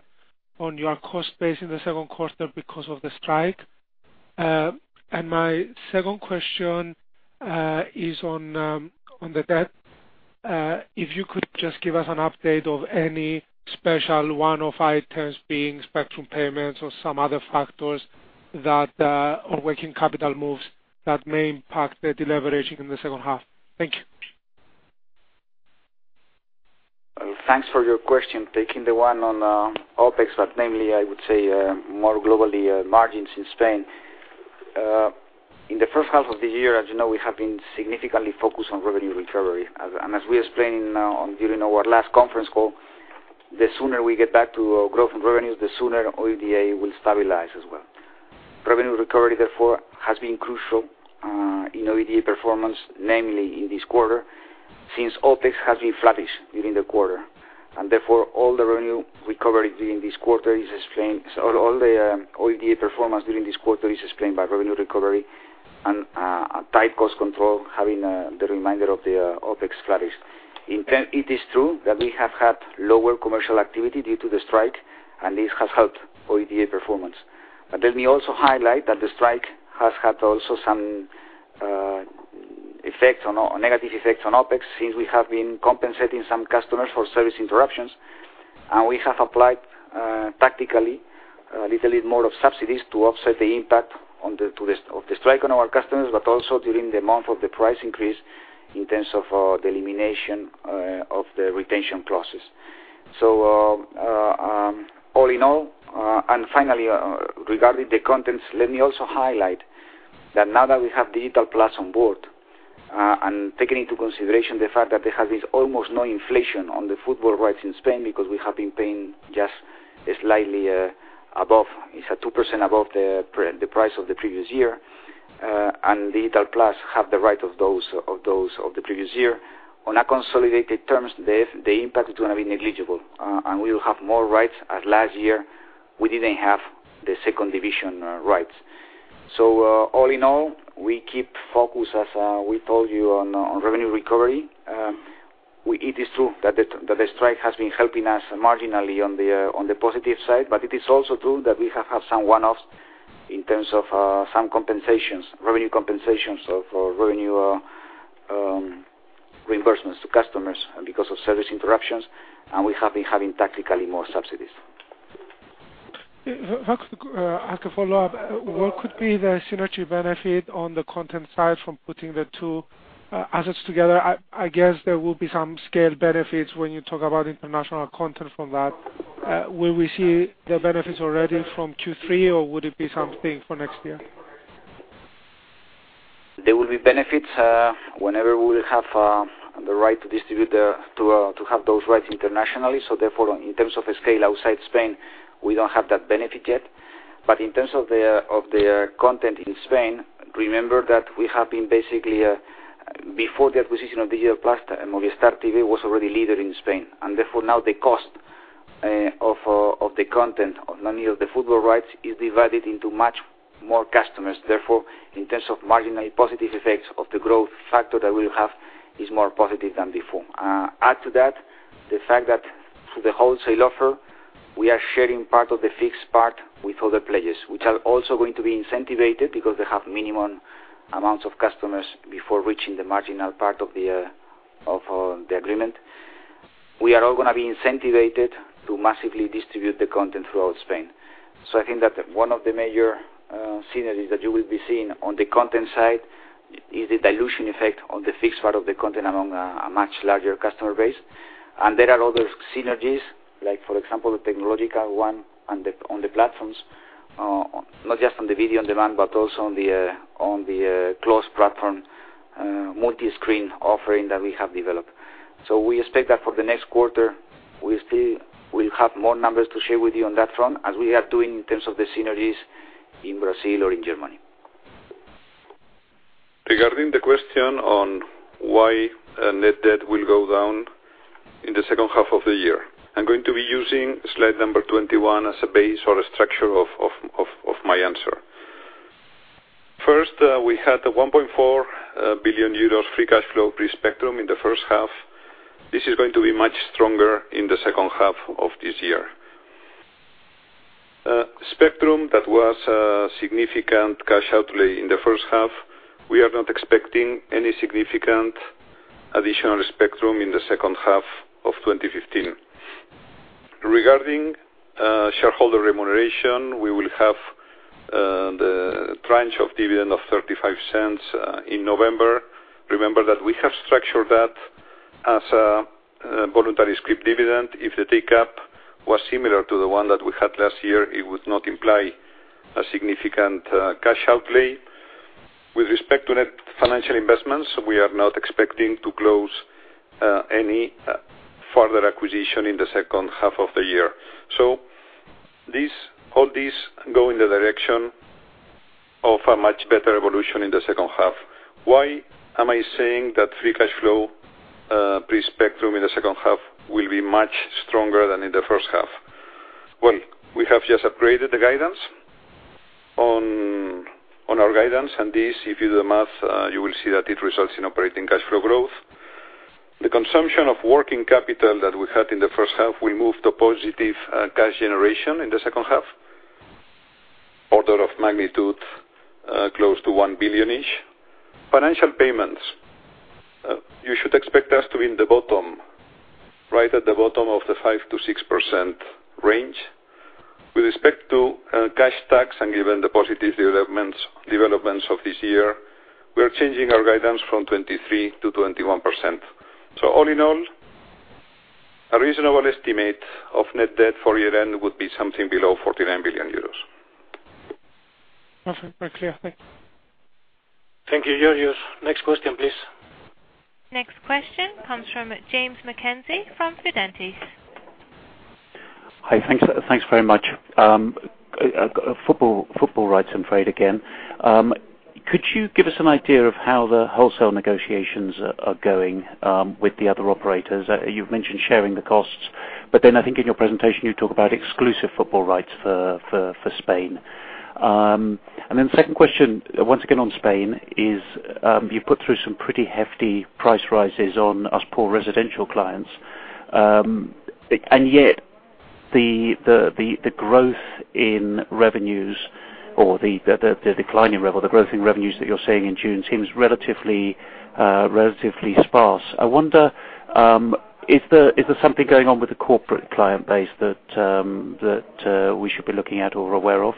on your cost base in the second quarter because of the strike. My second question is on the debt. If you could just give us an update of any special one-off items being spectrum payments or some other factors that are working capital moves that may impact the deleveraging in the second half. Thank you. Thanks for your question. Taking the one on OpEx, but mainly, I would say more globally margins in Spain. In the first half of the year, as you know, we have been significantly focused on revenue recovery. As we explained during our last conference call, the sooner we get back to growth in revenues, the sooner OIBDA will stabilize as well. Revenue recovery, therefore, has been crucial in OIBDA performance, namely in this quarter, since OpEx has been flattish during the quarter. Therefore, all the OIBDA performance during this quarter is explained by revenue recovery and tight cost control, having the reminder of the OpEx flattish. In turn, it is true that we have had lower commercial activity due to the strike, and this has helped OIBDA performance. Let me also highlight that the strike has had also some negative effects on OpEx since we have been compensating some customers for service interruptions, and we have applied tactically a little bit more of subsidies to offset the impact of the strike on our customers, but also during the month of the price increase in terms of the elimination of the retention process. All in all, and finally, regarding the contents, let me also highlight that now that we have Digital+ on board. Taking into consideration the fact that they have this almost no inflation on the football rights in Spain because we have been paying just slightly above, it's 2% above the price of the previous year. Digital+ have the right of those of the previous year. On a consolidated terms, the impact is going to be negligible, and we will have more rights. Last year, we didn't have the second division rights. All in all, we keep focused, as we told you, on revenue recovery. It is true that the strike has been helping us marginally on the positive side, but it is also true that we have had some one-offs in terms of some compensations, revenue compensations, for revenue reimbursements to customers because of service interruptions, and we have been having tactically more subsidies. I could follow up. What could be the synergy benefit on the content side from putting the two assets together? I guess there will be some scale benefits when you talk about international content from that. Will we see the benefits already from Q3, or would it be something for next year? There will be benefits whenever we will have the right to have those rights internationally. Therefore, in terms of scale outside Spain, we don't have that benefit yet. In terms of their content in Spain, remember that we have been basically, before the acquisition of Digital+, Movistar TV was already leader in Spain. Therefore, now the cost of the content, mainly of the football rights, is divided into much more customers. Therefore, in terms of marginal positive effects of the growth factor that we'll have is more positive than before. Add to that, the fact that through the wholesale offer, we are sharing part of the fixed part with other players, which are also going to be incentivized because they have minimum amounts of customers before reaching the marginal part of the agreement. We are all going to be incentivized to massively distribute the content throughout Spain. I think that one of the major synergies that you will be seeing on the content side is the dilution effect on the fixed part of the content among a much larger customer base. There are other synergies, like for example, the technological one on the platforms, not just on the video on demand, but also on the closed platform multi-screen offering that we have developed. We expect that for the next quarter, we'll have more numbers to share with you on that front as we are doing in terms of the synergies in Brazil or in Germany. Regarding the question on why net debt will go down in the second half of the year. I'm going to be using slide number 21 as a base or a structure of my answer. First, we had a 1.4 billion euros free cash flow pre-spectrum in the first half. This is going to be much stronger in the second half of this year. Spectrum, that was a significant cash outlay in the first half. We are not expecting any significant additional spectrum in the second half of 2015. Regarding shareholder remuneration, we will have the tranche of dividend of 0.35 in November. Remember that we have structured that as a voluntary scrip dividend. If the take-up was similar to the one that we had last year, it would not imply a significant cash outlay. With respect to net financial investments, we are not expecting to close any further acquisition in the second half of the year. All this go in the direction of a much better evolution in the second half. Why am I saying that free cash flow pre-spectrum in the second half will be much stronger than in the first half? We have just upgraded the guidance on our guidance, and this, if you do the math, you will see that it results in operating cash flow growth. The consumption of working capital that we had in the first half will move to positive cash generation in the second half. Order of magnitude close to 1 billion-ish. Financial payments. You should expect us to be in the bottom, right at the bottom of the 5%-6% range. With respect to cash tax and given the positive developments of this year, we are changing our guidance from 23%-21%. All in all, a reasonable estimate of net debt for year-end would be something below 49 billion euros. Perfect. Very clear. Thanks. Thank you, Georgios. Next question, please. Next question comes from James Mckenzie from Fidentiis. Hi. Thanks very much. Football rights and trade again. Could you give us an idea of how the wholesale negotiations are going with the other operators? You've mentioned sharing the costs, but then I think in your presentation, you talk about exclusive football rights for Spain. Second question, once again on Spain, is you put through some pretty hefty price rises on us poor residential clients. Yet the growth in revenues or the decline in revenue, the growth in revenues that you're seeing in June seems relatively sparse. I wonder, is there something going on with the corporate client base that we should be looking at or aware of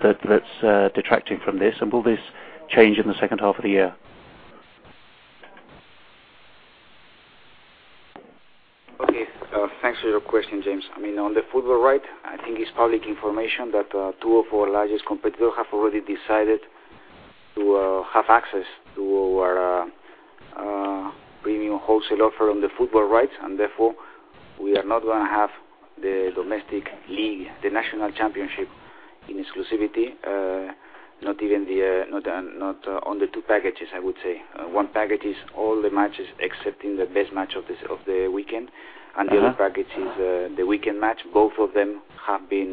that's detracting from this, and will this change in the second half of the year? Thanks for your question, James. On the football right, I think it's public information that two of our largest competitors have already decided to have access to our premium wholesale offer on the football rights, and therefore, we are not going to have the domestic league, the national championship in exclusivity, not on the two packages, I would say. One package is all the matches except the best match of the weekend, and the other package is the weekend match. Both of them have been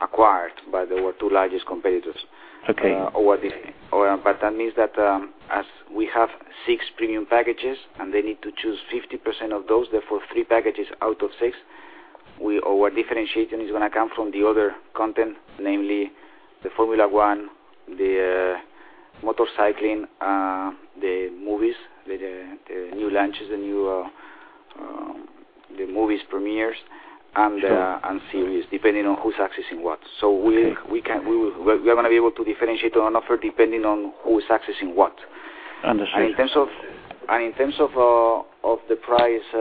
acquired by our two largest competitors. Okay. That means that as we have six premium packages, and they need to choose 50% of those, therefore three packages out of six, our differentiation is going to come from the other content, namely the Formula 1, the motorcycling, the movies, the new launches, the movie premieres, and the series, depending on who's accessing what. Okay. We're going to be able to differentiate our offer depending on who's accessing what. Understood. In terms of the price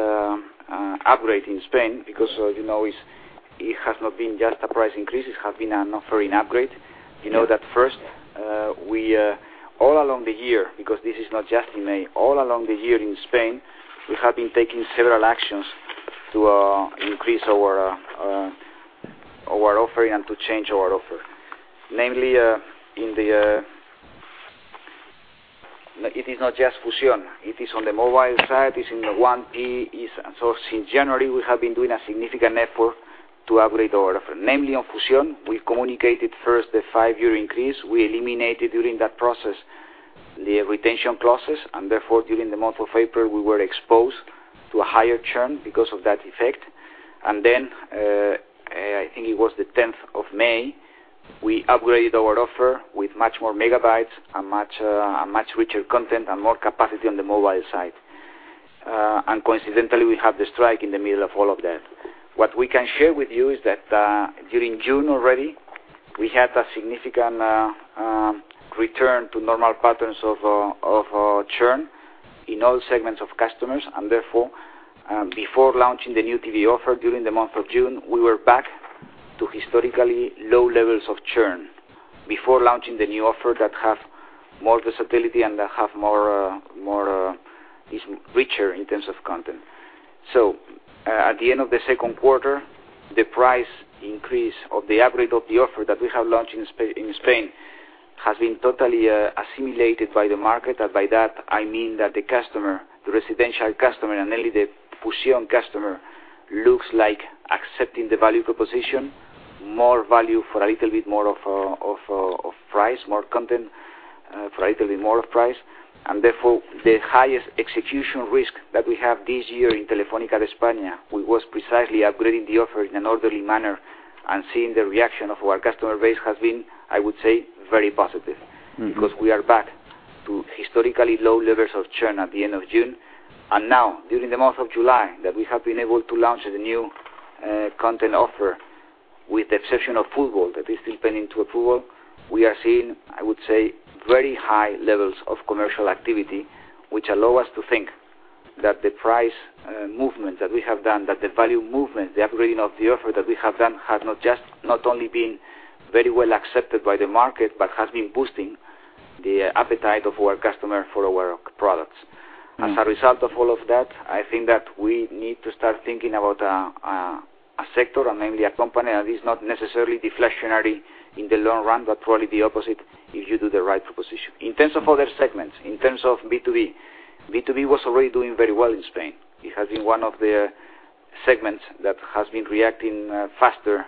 upgrade in Spain, because as you know, it has not been just a price increase, it has been an offering upgrade. You know that first, all along the year, because this is not just in May, all along the year in Spain, we have been taking several actions to increase our offering and to change our offer. Namely, it is not just Fusión. It is on the mobile side, it's in the 1P. Since January, we have been doing a significant effort to upgrade our offer. Namely, on Fusión, we communicated first the 5-year increase. We eliminated, during that process, the retention process, and therefore, during the month of April, we were exposed to a higher churn because of that effect. I think it was the 10th of May, we upgraded our offer with much more megabytes and much richer content and more capacity on the mobile side. Coincidentally, we had the strike in the middle of all of that. What we can share with you is that during June already, we had a significant return to normal patterns of churn in all segments of customers, and therefore, before launching the new TV offer during the month of June, we were back to historically low levels of churn before launching the new offer that have more versatility and is richer in terms of content. At the end of the second quarter, the price increase or the upgrade of the offer that we have launched in Spain has been totally assimilated by the market. By that, I mean that the customer, the residential customer, namely the Fusión customer, looks like accepting the value proposition, more value for a little bit more of price, more content for a little bit more of price. Therefore, the highest execution risk that we have this year in Telefónica España, was precisely upgrading the offer in an orderly manner and seeing the reaction of our customer base has been, I would say, very positive. We are back to historically low levels of churn at the end of June. Now during the month of July, that we have been able to launch the new content offer with the exception of football that is still pending to approval, we are seeing, I would say, very high levels of commercial activity, which allow us to think that the price movement that we have done, that the value movement, the upgrading of the offer that we have done has not only been very well accepted by the market, but has been boosting the appetite of our customer for our products. As a result of all of that, I think that we need to start thinking about a sector, and mainly a company that is not necessarily deflationary in the long run, but probably the opposite if you do the right proposition. In terms of other segments, in terms of B2B was already doing very well in Spain. It has been one of the segments that has been reacting faster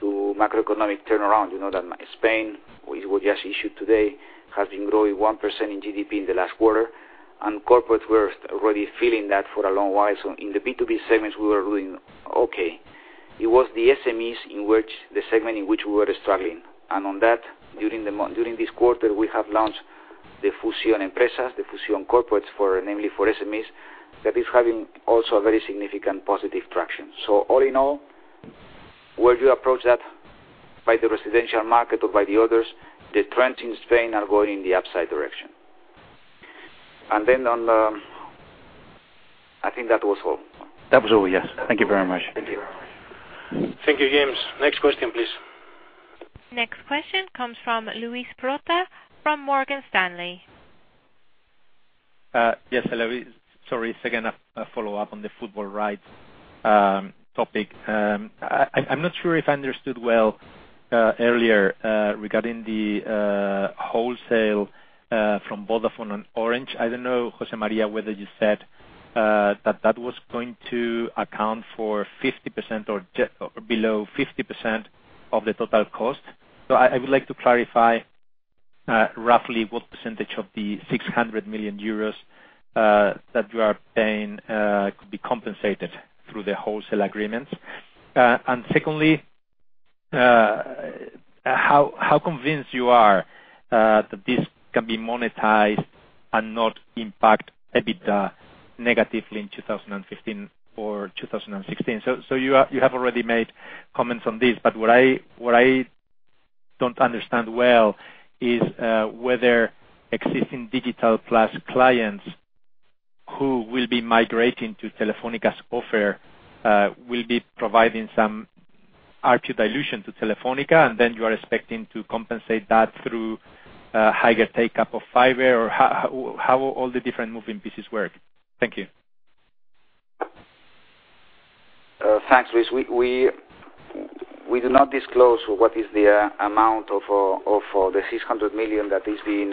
to macroeconomic turnaround. You know that Spain, we just issued today, has been growing 1% in GDP in the last quarter, and corporate were already feeling that for a long while. In the B2B segments, we were doing okay. It was the SMEs in which the segment in which we were struggling. On that, during this quarter, we have launched the Fusión Empresas, the Fusión Corporates, namely for SMEs, that is having also a very significant positive traction. All in all, whether you approach that by the residential market or by the others, the trends in Spain are going in the upside direction. I think that was all. That was all, yes. Thank you very much. Thank you. Thank you, James. Next question, please. Next question comes from Luis Prota from Morgan Stanley. Yes, hello. Sorry, second follow-up on the football rights topic. I am not sure if I understood well earlier, regarding the wholesale from Vodafone and Orange. I don't know, José María, whether you said that that was going to account for 50% or below 50% of the total cost. I would like to clarify roughly what percentage of the 600 million euros that you are paying could be compensated through the wholesale agreements. Secondly, how convinced you are that this can be monetized and not impact EBITDA negatively in 2015 or 2016? You have already made comments on this, but what I- Don't understand well is whether existing Digital+ clients who will be migrating to Telefónica's offer will be providing some ARPU dilution to Telefónica, and then you are expecting to compensate that through higher take-up of fiber, or how all the different moving pieces work. Thank you. Thanks, Luis. We do not disclose what is the amount of the 600 million that is being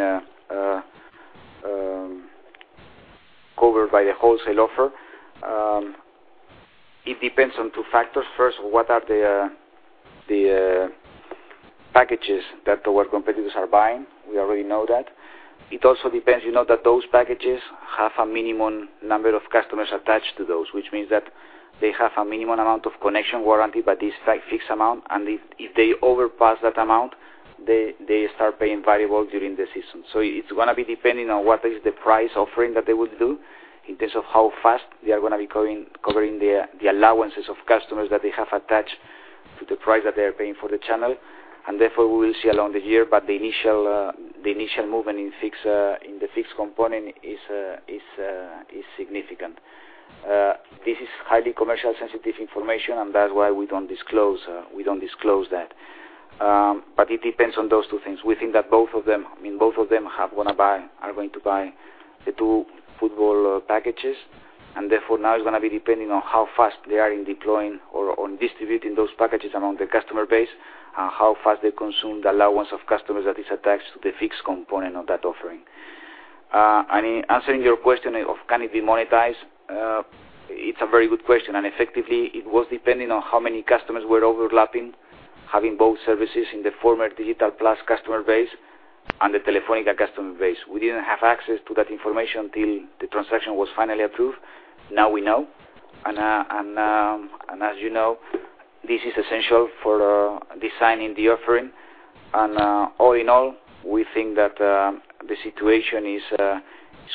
covered by the wholesale offer. It depends on two factors. First, what are the packages that our competitors are buying? We already know that. It also depends, you know that those packages have a minimum number of customers attached to those, which means that they have a minimum amount of connection guaranteed by this fixed amount, and if they overpass that amount, they start paying variable during the season. It's going to be dependent on what is the price offering that they will do in terms of how fast they are going to be covering the allowances of customers that they have attached to the price that they are paying for the channel. Therefore, we will see along the year, but the initial movement in the fixed component is significant. This is highly commercially sensitive information, and that's why we don't disclose that. But it depends on those two things. We think that both of them are going to buy the two football packages. Therefore, now it's going to be depending on how fast they are in deploying or on distributing those packages among the customer base, how fast they consume the allowance of customers that is attached to the fixed component of that offering. In answering your question of can it be monetized? It's a very good question. Effectively, it was depending on how many customers were overlapping, having both services in the former Digital+ customer base and the Telefónica customer base. We didn't have access to that information until the transaction was finally approved. Now we know. As you know, this is essential for designing the offering. All in all, we think that the situation is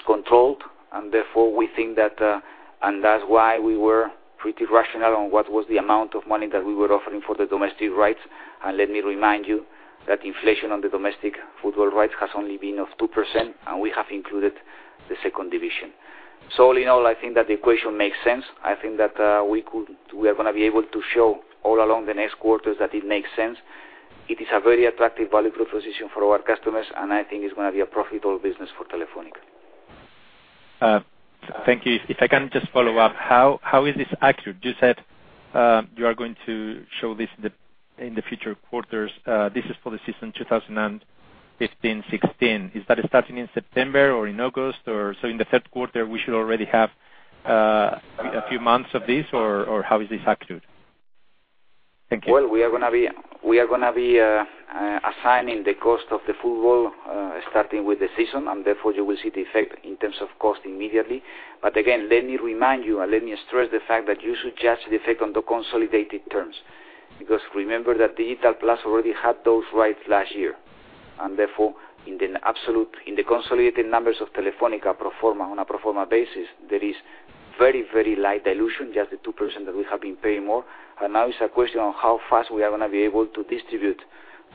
controlled. Therefore, we think that, and that's why we were pretty rational on what was the amount of money that we were offering for the domestic rights. Let me remind you that inflation on the domestic football rights has only been of 2%, and we have included the second division. All in all, I think that the equation makes sense. I think that we are going to be able to show all along the next quarters that it makes sense. It is a very attractive value proposition for our customers, and I think it's going to be a profitable business for Telefónica. Thank you. If I can just follow up, how is this accrued? You said you are going to show this in the future quarters. This is for the season 2015-2016. Is that starting in September or in August or so in the third quarter, we should already have a few months of this or how is this accrued? Thank you. We are going to be assigning the cost of the football, starting with the season, therefore you will see the effect in terms of cost immediately. Again, let me remind you and let me stress the fact that you should judge the effect on the consolidated terms because remember that Digital+ already had those rights last year. Therefore, in the consolidated numbers of Telefónica on a pro forma basis, there is very light dilution, just the 2% that we have been paying more. Now it's a question of how fast we are going to be able to distribute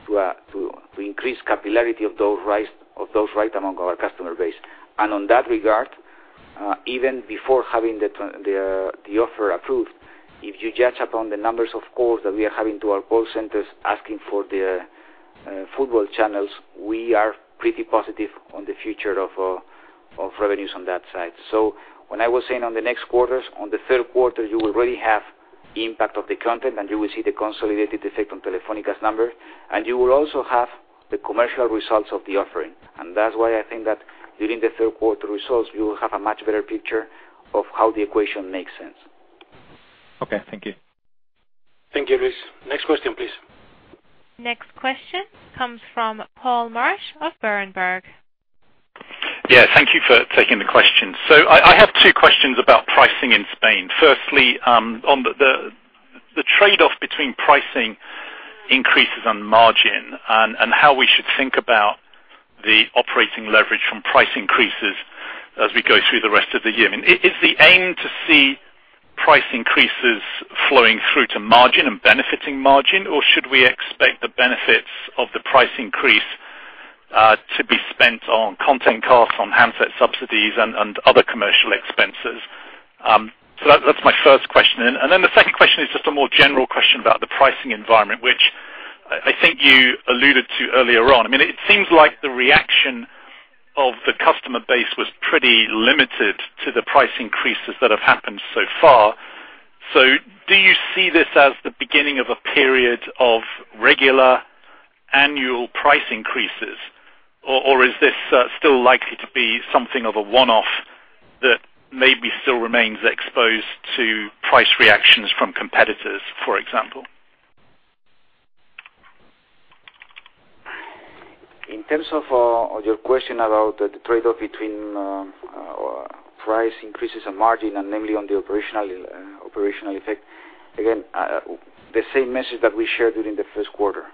to increase capillarity of those rights among our customer base. On that regard, even before having the offer approved, if you judge upon the numbers of calls that we are having to our call centers asking for the football channels, we are pretty positive on the future of revenues on that side. When I was saying on the next quarters, on the third quarter, you will really have impact of the content, and you will see the consolidated effect on Telefónica's numbers, and you will also have the commercial results of the offering. That's why I think that during the third quarter results, you will have a much better picture of how the equation makes sense. Okay. Thank you. Thank you, Luis. Next question, please. Next question comes from Paul Marsch of Berenberg. Yeah. Thank you for taking the question. I have two questions about pricing in Spain. Firstly, on the trade-off between pricing increases on margin and how we should think about the operating leverage from price increases as we go through the rest of the year. Is the aim to see price increases flowing through to margin and benefiting margin, or should we expect the benefits of the price increase to be spent on content costs, on handset subsidies, and other commercial expenses? That's my first question. The second question is just a more general question about the pricing environment, which I think you alluded to earlier on. It seems like the reaction of the customer base was pretty limited to the price increases that have happened so far. Do you see this as the beginning of a period of regular annual price increases, or is this still likely to be something of a one-off that maybe still remains exposed to price reactions from competitors, for example? In terms of your question about the trade-off between price increases and margin, namely on the operational effect, again, the same message that we shared during the first quarter.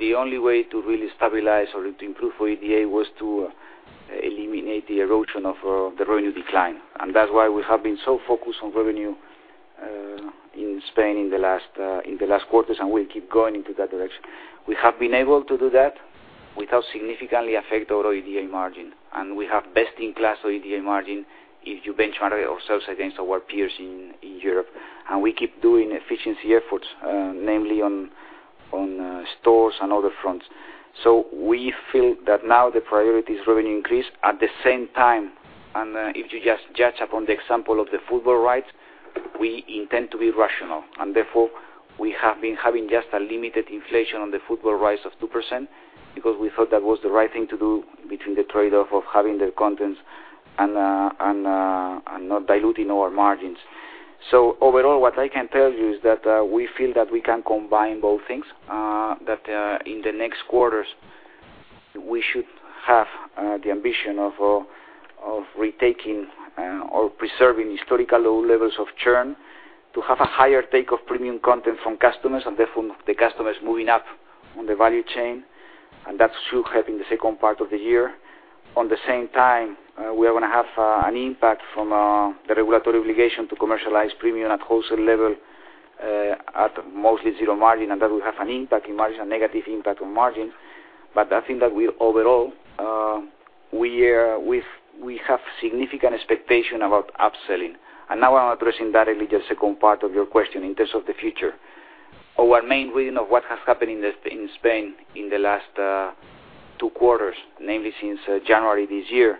The only way to really stabilize or to improve EBITDA was to eliminate the erosion of the revenue decline. That's why we have been so focused on revenue in Spain in the last quarters, and we'll keep going into that direction. We have been able to do that without significantly affect our OIBDA margin, and we have best in class OIBDA margin if you benchmark ourselves against our peers in Europe. We keep doing efficiency efforts, namely on stores and other fronts. We feel that now the priority is revenue increase. At the same time, if you just judge upon the example of the football rights, we intend to be rational. Therefore, we have been having just a limited inflation on the football rights of 2%, because we thought that was the right thing to do between the trade-off of having the contents and not diluting our margins. Overall, what I can tell you is that, we feel that we can combine both things, that in the next quarters, we should have the ambition of retaking or preserving historical low levels of churn to have a higher take of premium content from customers and therefore the customers moving up on the value chain. That should help in the second part of the year. At the same time, we are going to have an impact from the regulatory obligation to commercialize premium at wholesale level, at mostly zero margin, and that will have an impact in margin, a negative impact on margin. I think that we, overall, we have significant expectation about upselling. Now I'm addressing directly the second part of your question in terms of the future. Our main reason of what has happened in Spain in the last two quarters, namely since January this year,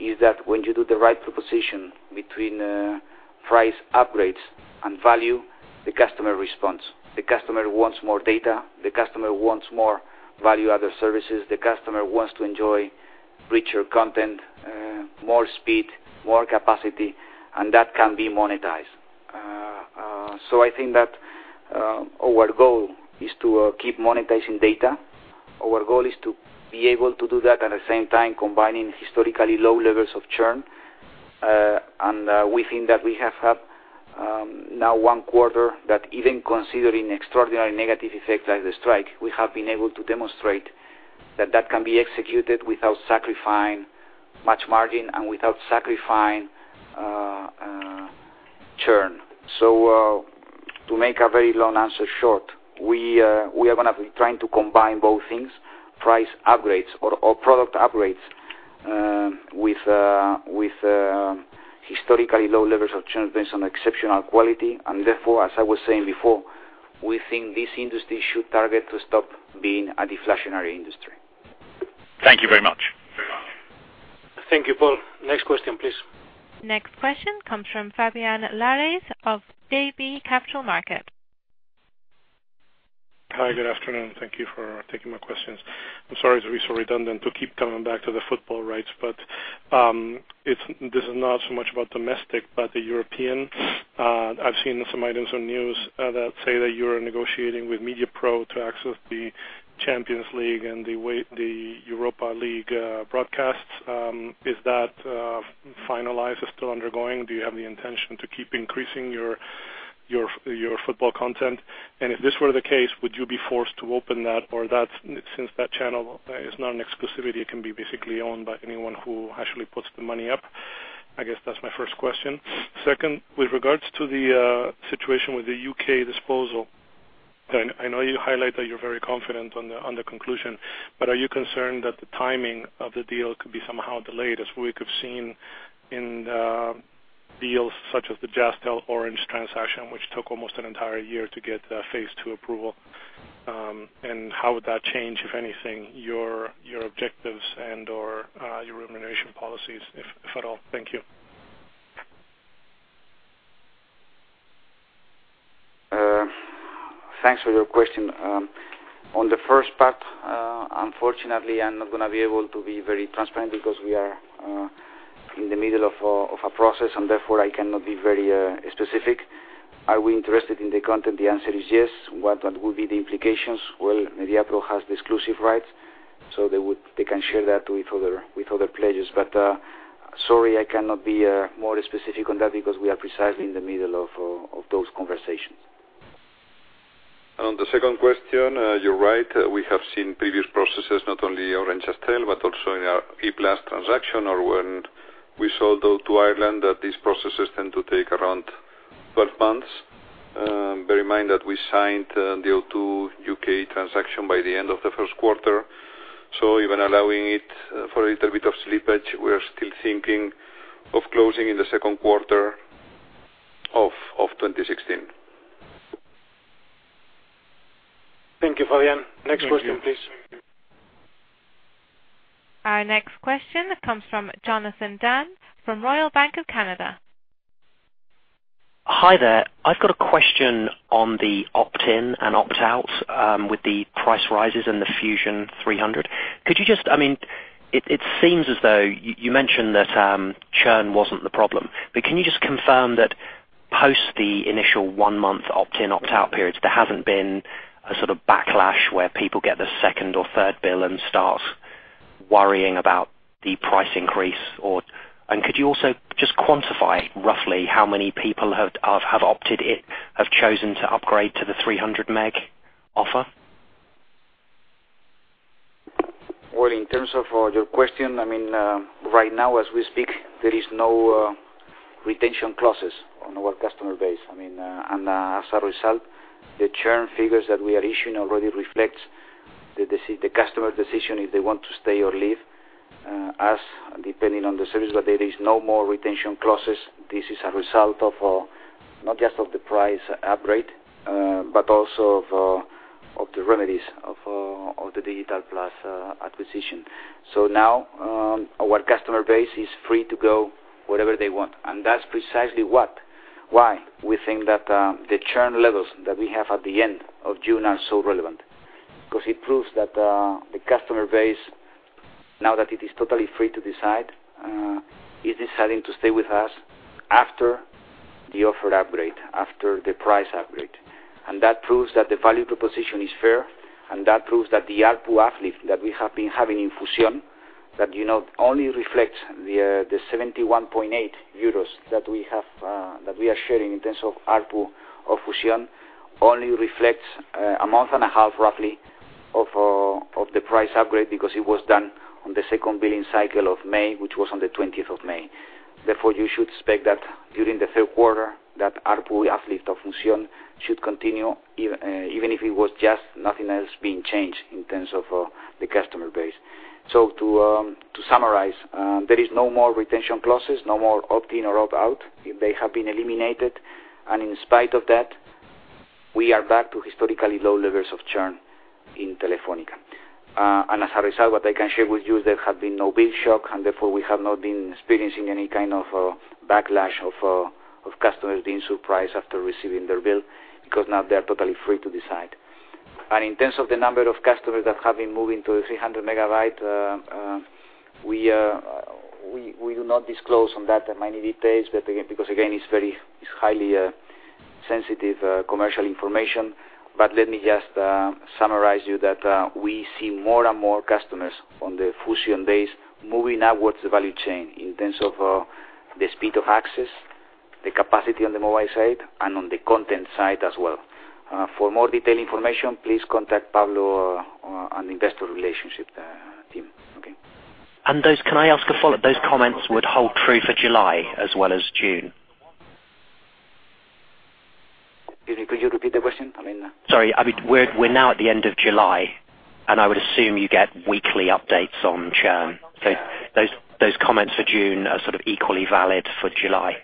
is that when you do the right proposition between price upgrades and value, the customer responds. The customer wants more data. The customer wants more value-added services. The customer wants to enjoy richer content, more speed, more capacity, and that can be monetized. I think that our goal is to keep monetizing data. Our goal is to be able to do that at the same time combining historically low levels of churn. We think that we have had now one quarter that even considering extraordinary negative effects like the strike, we have been able to demonstrate that that can be executed without sacrificing much margin and without sacrificing churn. To make a very long answer short, we are going to be trying to combine both things, price upgrades or product upgrades, with historically low levels of churn based on exceptional quality. Therefore, as I was saying before, we think this industry should target to stop being a deflationary industry. Thank you very much. Thank you, Paul. Next question, please. Next question comes from Fabian Lares of JB Capital Markets. Hi. Good afternoon. Thank you for taking my questions. I am sorry it is a bit redundant to keep coming back to the football rights, but this is not so much about domestic, but the European. I have seen some items on news that say that you are negotiating with Mediapro to access the Champions League and the Europa League broadcasts. Is that finalized or still undergoing? Do you have the intention to keep increasing your football content? If this were the case, would you be forced to open that or since that channel is not an exclusivity, it can be basically owned by anyone who actually puts the money up? I guess that is my first question. Second, with regards to the situation with the U.K. disposal, I know you highlight that you are very confident on the conclusion, but are you concerned that the timing of the deal could be somehow delayed, as we could have seen in deals such as the Jazztel Orange transaction, which took almost an entire year to get Phase II approval? How would that change, if anything, your objectives and/or your remuneration policies, if at all? Thank you. Thanks for your question. On the first part, unfortunately, I'm not going to be able to be very transparent because we are in the middle of a process, and therefore I cannot be very specific. Are we interested in the content? The answer is yes. What would be the implications? Well, Mediapro has the exclusive rights, so they can share that with other players. Sorry, I cannot be more specific on that because we are precisely in the middle of those conversations. On the second question, you're right. We have seen previous processes, not only Orange Jazztel, but also in our E-Plus transaction or when we sold O2 Ireland, that these processes tend to take around 12 months. Bear in mind that we signed the O2 UK transaction by the end of the first quarter. Even allowing it for a little bit of slippage, we're still thinking of closing in the second quarter of 2016. Thank you, Fabian. Next question, please. Our next question comes from Jonathan Dann from Royal Bank of Canada. Hi there. I've got a question on the opt-in and opt-out with the price rises and the Fusión 300. You mentioned that churn wasn't the problem. Can you just confirm that post the initial one-month opt-in, opt-out periods, there hasn't been a backlash where people get the second or third bill and start worrying about the price increase? Could you also just quantify roughly how many people have chosen to upgrade to the 300 Meg offer? Well, in terms of your question, right now as we speak, there is no retention clauses on our customer base. As a result, the churn figures that we are issuing already reflects the customer decision if they want to stay or leave us, depending on the service. There is no more retention clauses. This is a result of not just of the price upgrade, but also of the remedies of the Digital+ acquisition. Now, our customer base is free to go wherever they want. That's precisely why we think that the churn levels that we have at the end of June are so relevant. It proves that the customer base, now that it is totally free to decide, is deciding to stay with us after the offer upgrade, after the price upgrade. That proves that the value proposition is fair, that proves that the ARPU uplift that we have been having in Fusión, that only reflects the 71.8 euros that we are sharing in terms of ARPU of Fusión, only reflects a month and a half roughly of the price upgrade because it was done on the second billing cycle of May, which was on the 20th of May. Therefore, you should expect that during the third quarter, that ARPU uplift of Fusión should continue, even if it was just nothing else being changed in terms of the customer base. To summarize, there is no more retention clauses, no more opt-in or opt-out. They have been eliminated, in spite of that, we are back to historically low levels of churn in Telefónica. As a result, what I can share with you is there have been no bill shock, therefore we have not been experiencing any kind of backlash of customers being surprised after receiving their bill, now they're totally free to decide. In terms of the number of customers that have been moving to 300 megabit, we do not disclose on that many details, again, it's highly sensitive commercial information. Let me just summarize you that we see more and more customers on the Fusión base moving upwards the value chain in terms of the speed of access, the capacity on the mobile side, and on the content side as well. For more detailed information, please contact Pablo on the investor relationship team. Okay. Can I ask a follow-up? Those comments would hold true for July as well as June? Could you repeat the question? Sorry. We're now at the end of July, and I would assume you get weekly updates on churn. Those comments for June are equally valid for July.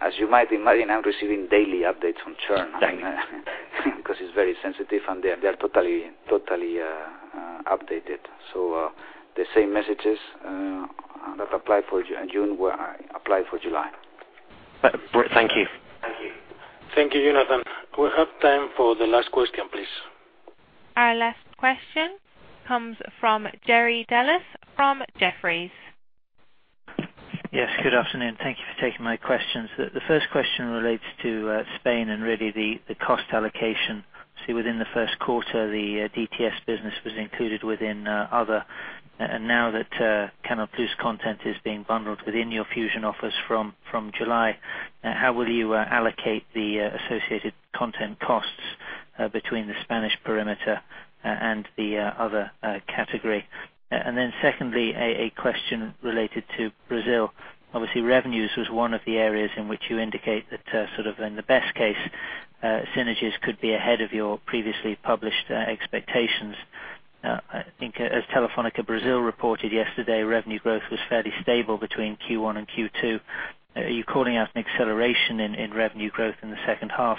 As you might imagine, I'm receiving daily updates on churn. Daily. It's very sensitive, and they're totally updated. The same messages that applied for June applied for July. Thank you. Thank you. Thank you, Jonathan. We have time for the last question, please. Our last question comes from Jerry Dellis from Jefferies. Yes, good afternoon. Thank you for taking my questions. The first question relates to Spain and really the cost allocation. See, within the first quarter, the DTS business was included within other. Now that Canal+ content is being bundled within your Fusión offers from July, how will you allocate the associated content costs between the Spanish perimeter and the other category? Secondly, a question related to Brazil. Obviously, revenues was one of the areas in which you indicate that in the best case, synergies could be ahead of your previously published expectations. I think as Telefónica Brasil reported yesterday, revenue growth was fairly stable between Q1 and Q2. Are you calling out an acceleration in revenue growth in the second half?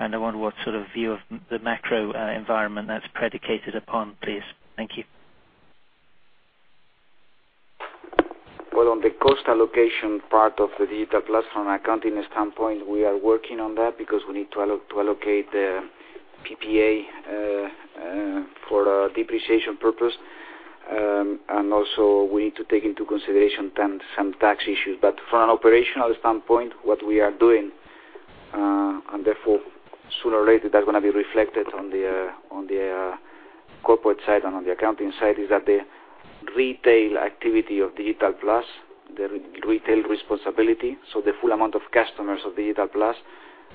I wonder what view of the macro environment that's predicated upon, please. Thank you. Well, on the cost allocation part of the Digital+, from accounting standpoint, we are working on that because we need to allocate the PPA for depreciation purpose. Also, we need to take into consideration some tax issues. From an operational standpoint, what we are doing, and therefore sooner or later, that's going to be reflected on the corporate side and on the accounting side, is that the retail activity of Digital+, the retail responsibility, so the full amount of customers of Digital+,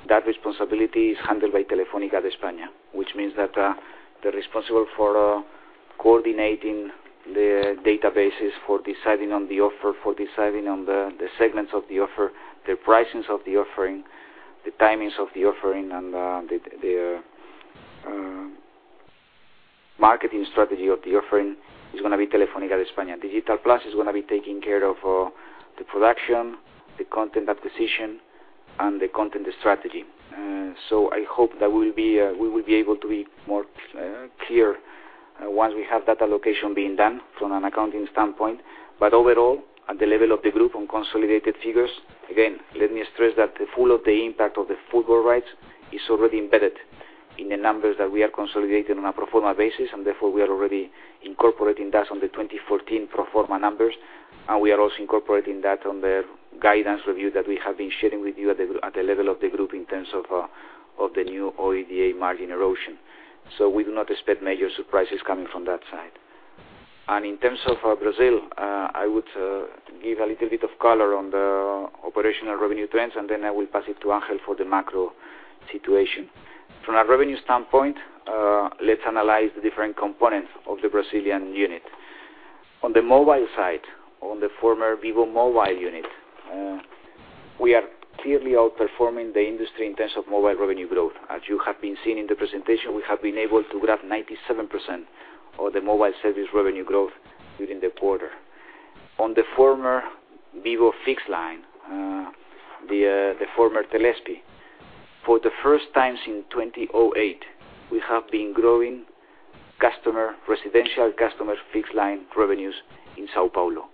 that responsibility is handled by Telefónica de España. Which means that they're responsible for coordinating the databases, for deciding on the offer, for deciding on the segments of the offer, the pricings of the offering, the timings of the offering, and the marketing strategy of the offering is going to be Telefónica de España. Digital+ is going to be taking care of the production, the content acquisition, and the content strategy. I hope that we will be able to be more clear once we have that allocation being done from an accounting standpoint. Overall, at the level of the group on consolidated figures, again, let me stress that the full of the impact of the football rights is already embedded in the numbers that we are consolidating on a pro forma basis, and therefore, we are already incorporating that on the 2014 pro forma numbers. We are also incorporating that on the guidance review that we have been sharing with you at the level of the group in terms of the new OIBDA margin erosion. We do not expect major surprises coming from that side. In terms of Brazil, I would give a little bit of color on the operational revenue trends, and then I will pass it to Ángel for the macro situation. From a revenue standpoint, let's analyze the different components of the Brazilian unit. On the mobile side, on the former Vivo mobile unit, we are clearly outperforming the industry in terms of mobile revenue growth. As you have been seeing in the presentation, we have been able to grab 97% of the mobile service revenue growth within the quarter. On the former Vivo fixed line, the former Telesp, for the first time since 2008, we have been growing residential customer fixed line revenues in São Paulo.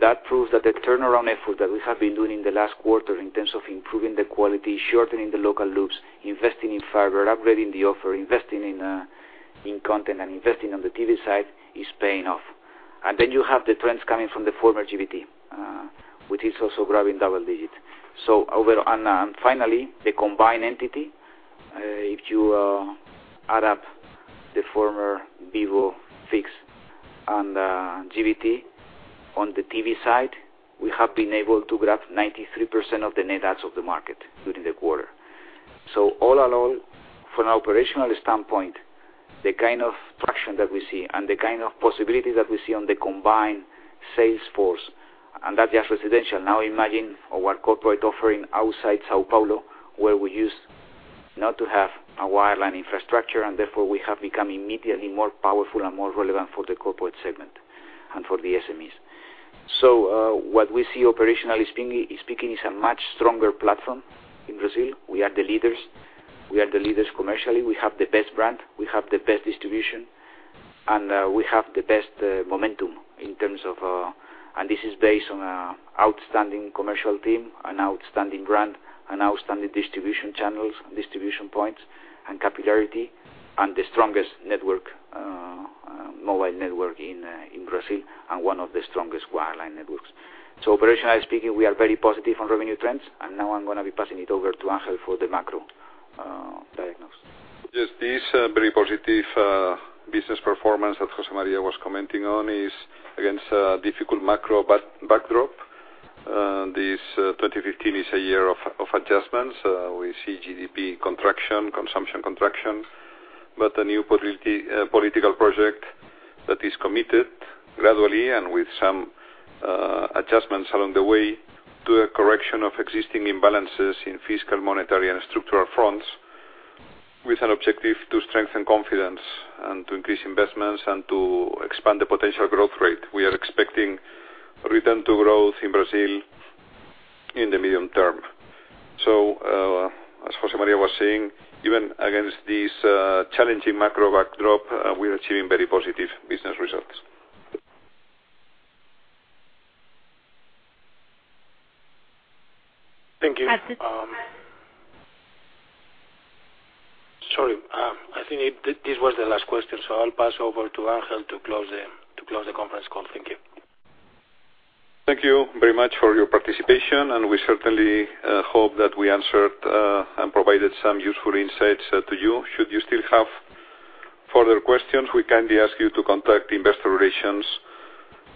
That proves that the turnaround effort that we have been doing in the last quarter in terms of improving the quality, shortening the local loops, investing in fiber, upgrading the offer, investing in content, and investing on the TV side, is paying off. Then you have the trends coming from the former GVT, which is also growing double digits. Finally, the combined entity. If you add up the former Vivo fixed and GVT on the TV side, we have been able to grab 93% of the net adds of the market during the quarter. All in all, from an operational standpoint, the kind of traction that we see and the kind of possibilities that we see on the combined sales force, and that's just residential. Now imagine our corporate offering outside São Paulo, where we used not to have a wireline infrastructure, and therefore we have become immediately more powerful and more relevant for the corporate segment and for the SMEs. What we see operationally speaking is a much stronger platform in Brazil. We are the leaders. We are the leaders commercially. We have the best brand. We have the best distribution, and we have the best momentum. This is based on an outstanding commercial team, an outstanding brand, an outstanding distribution channels, distribution points, and capillarity, and the strongest mobile network in Brazil, and one of the strongest wireline networks. Operationally speaking, we are very positive on revenue trends. Now I'm going to be passing it over to Ángel for the macro diagnosis. Yes, this very positive business performance that José María was commenting on is against a difficult macro backdrop. This 2015 is a year of adjustments. We see GDP contraction, consumption contraction, but a new political project that is committed gradually and with some adjustments along the way to a correction of existing imbalances in fiscal, monetary, and structural fronts with an objective to strengthen confidence and to increase investments and to expand the potential growth rate. We are expecting return to growth in Brazil in the medium term. As José María was saying, even against this challenging macro backdrop, we're achieving very positive business results. Thank you. Sorry. I think this was the last question, I'll pass over to Ángel to close the conference call. Thank you. Thank you very much for your participation, and we certainly hope that we answered and provided some useful insights to you. Should you still have further questions, we kindly ask you to contact the investor relations.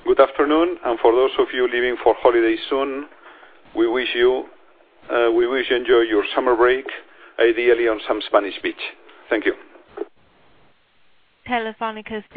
Good afternoon, and for those of you leaving for holiday soon, we wish you enjoy your summer break, ideally on some Spanish beach. Thank you. Telefónica's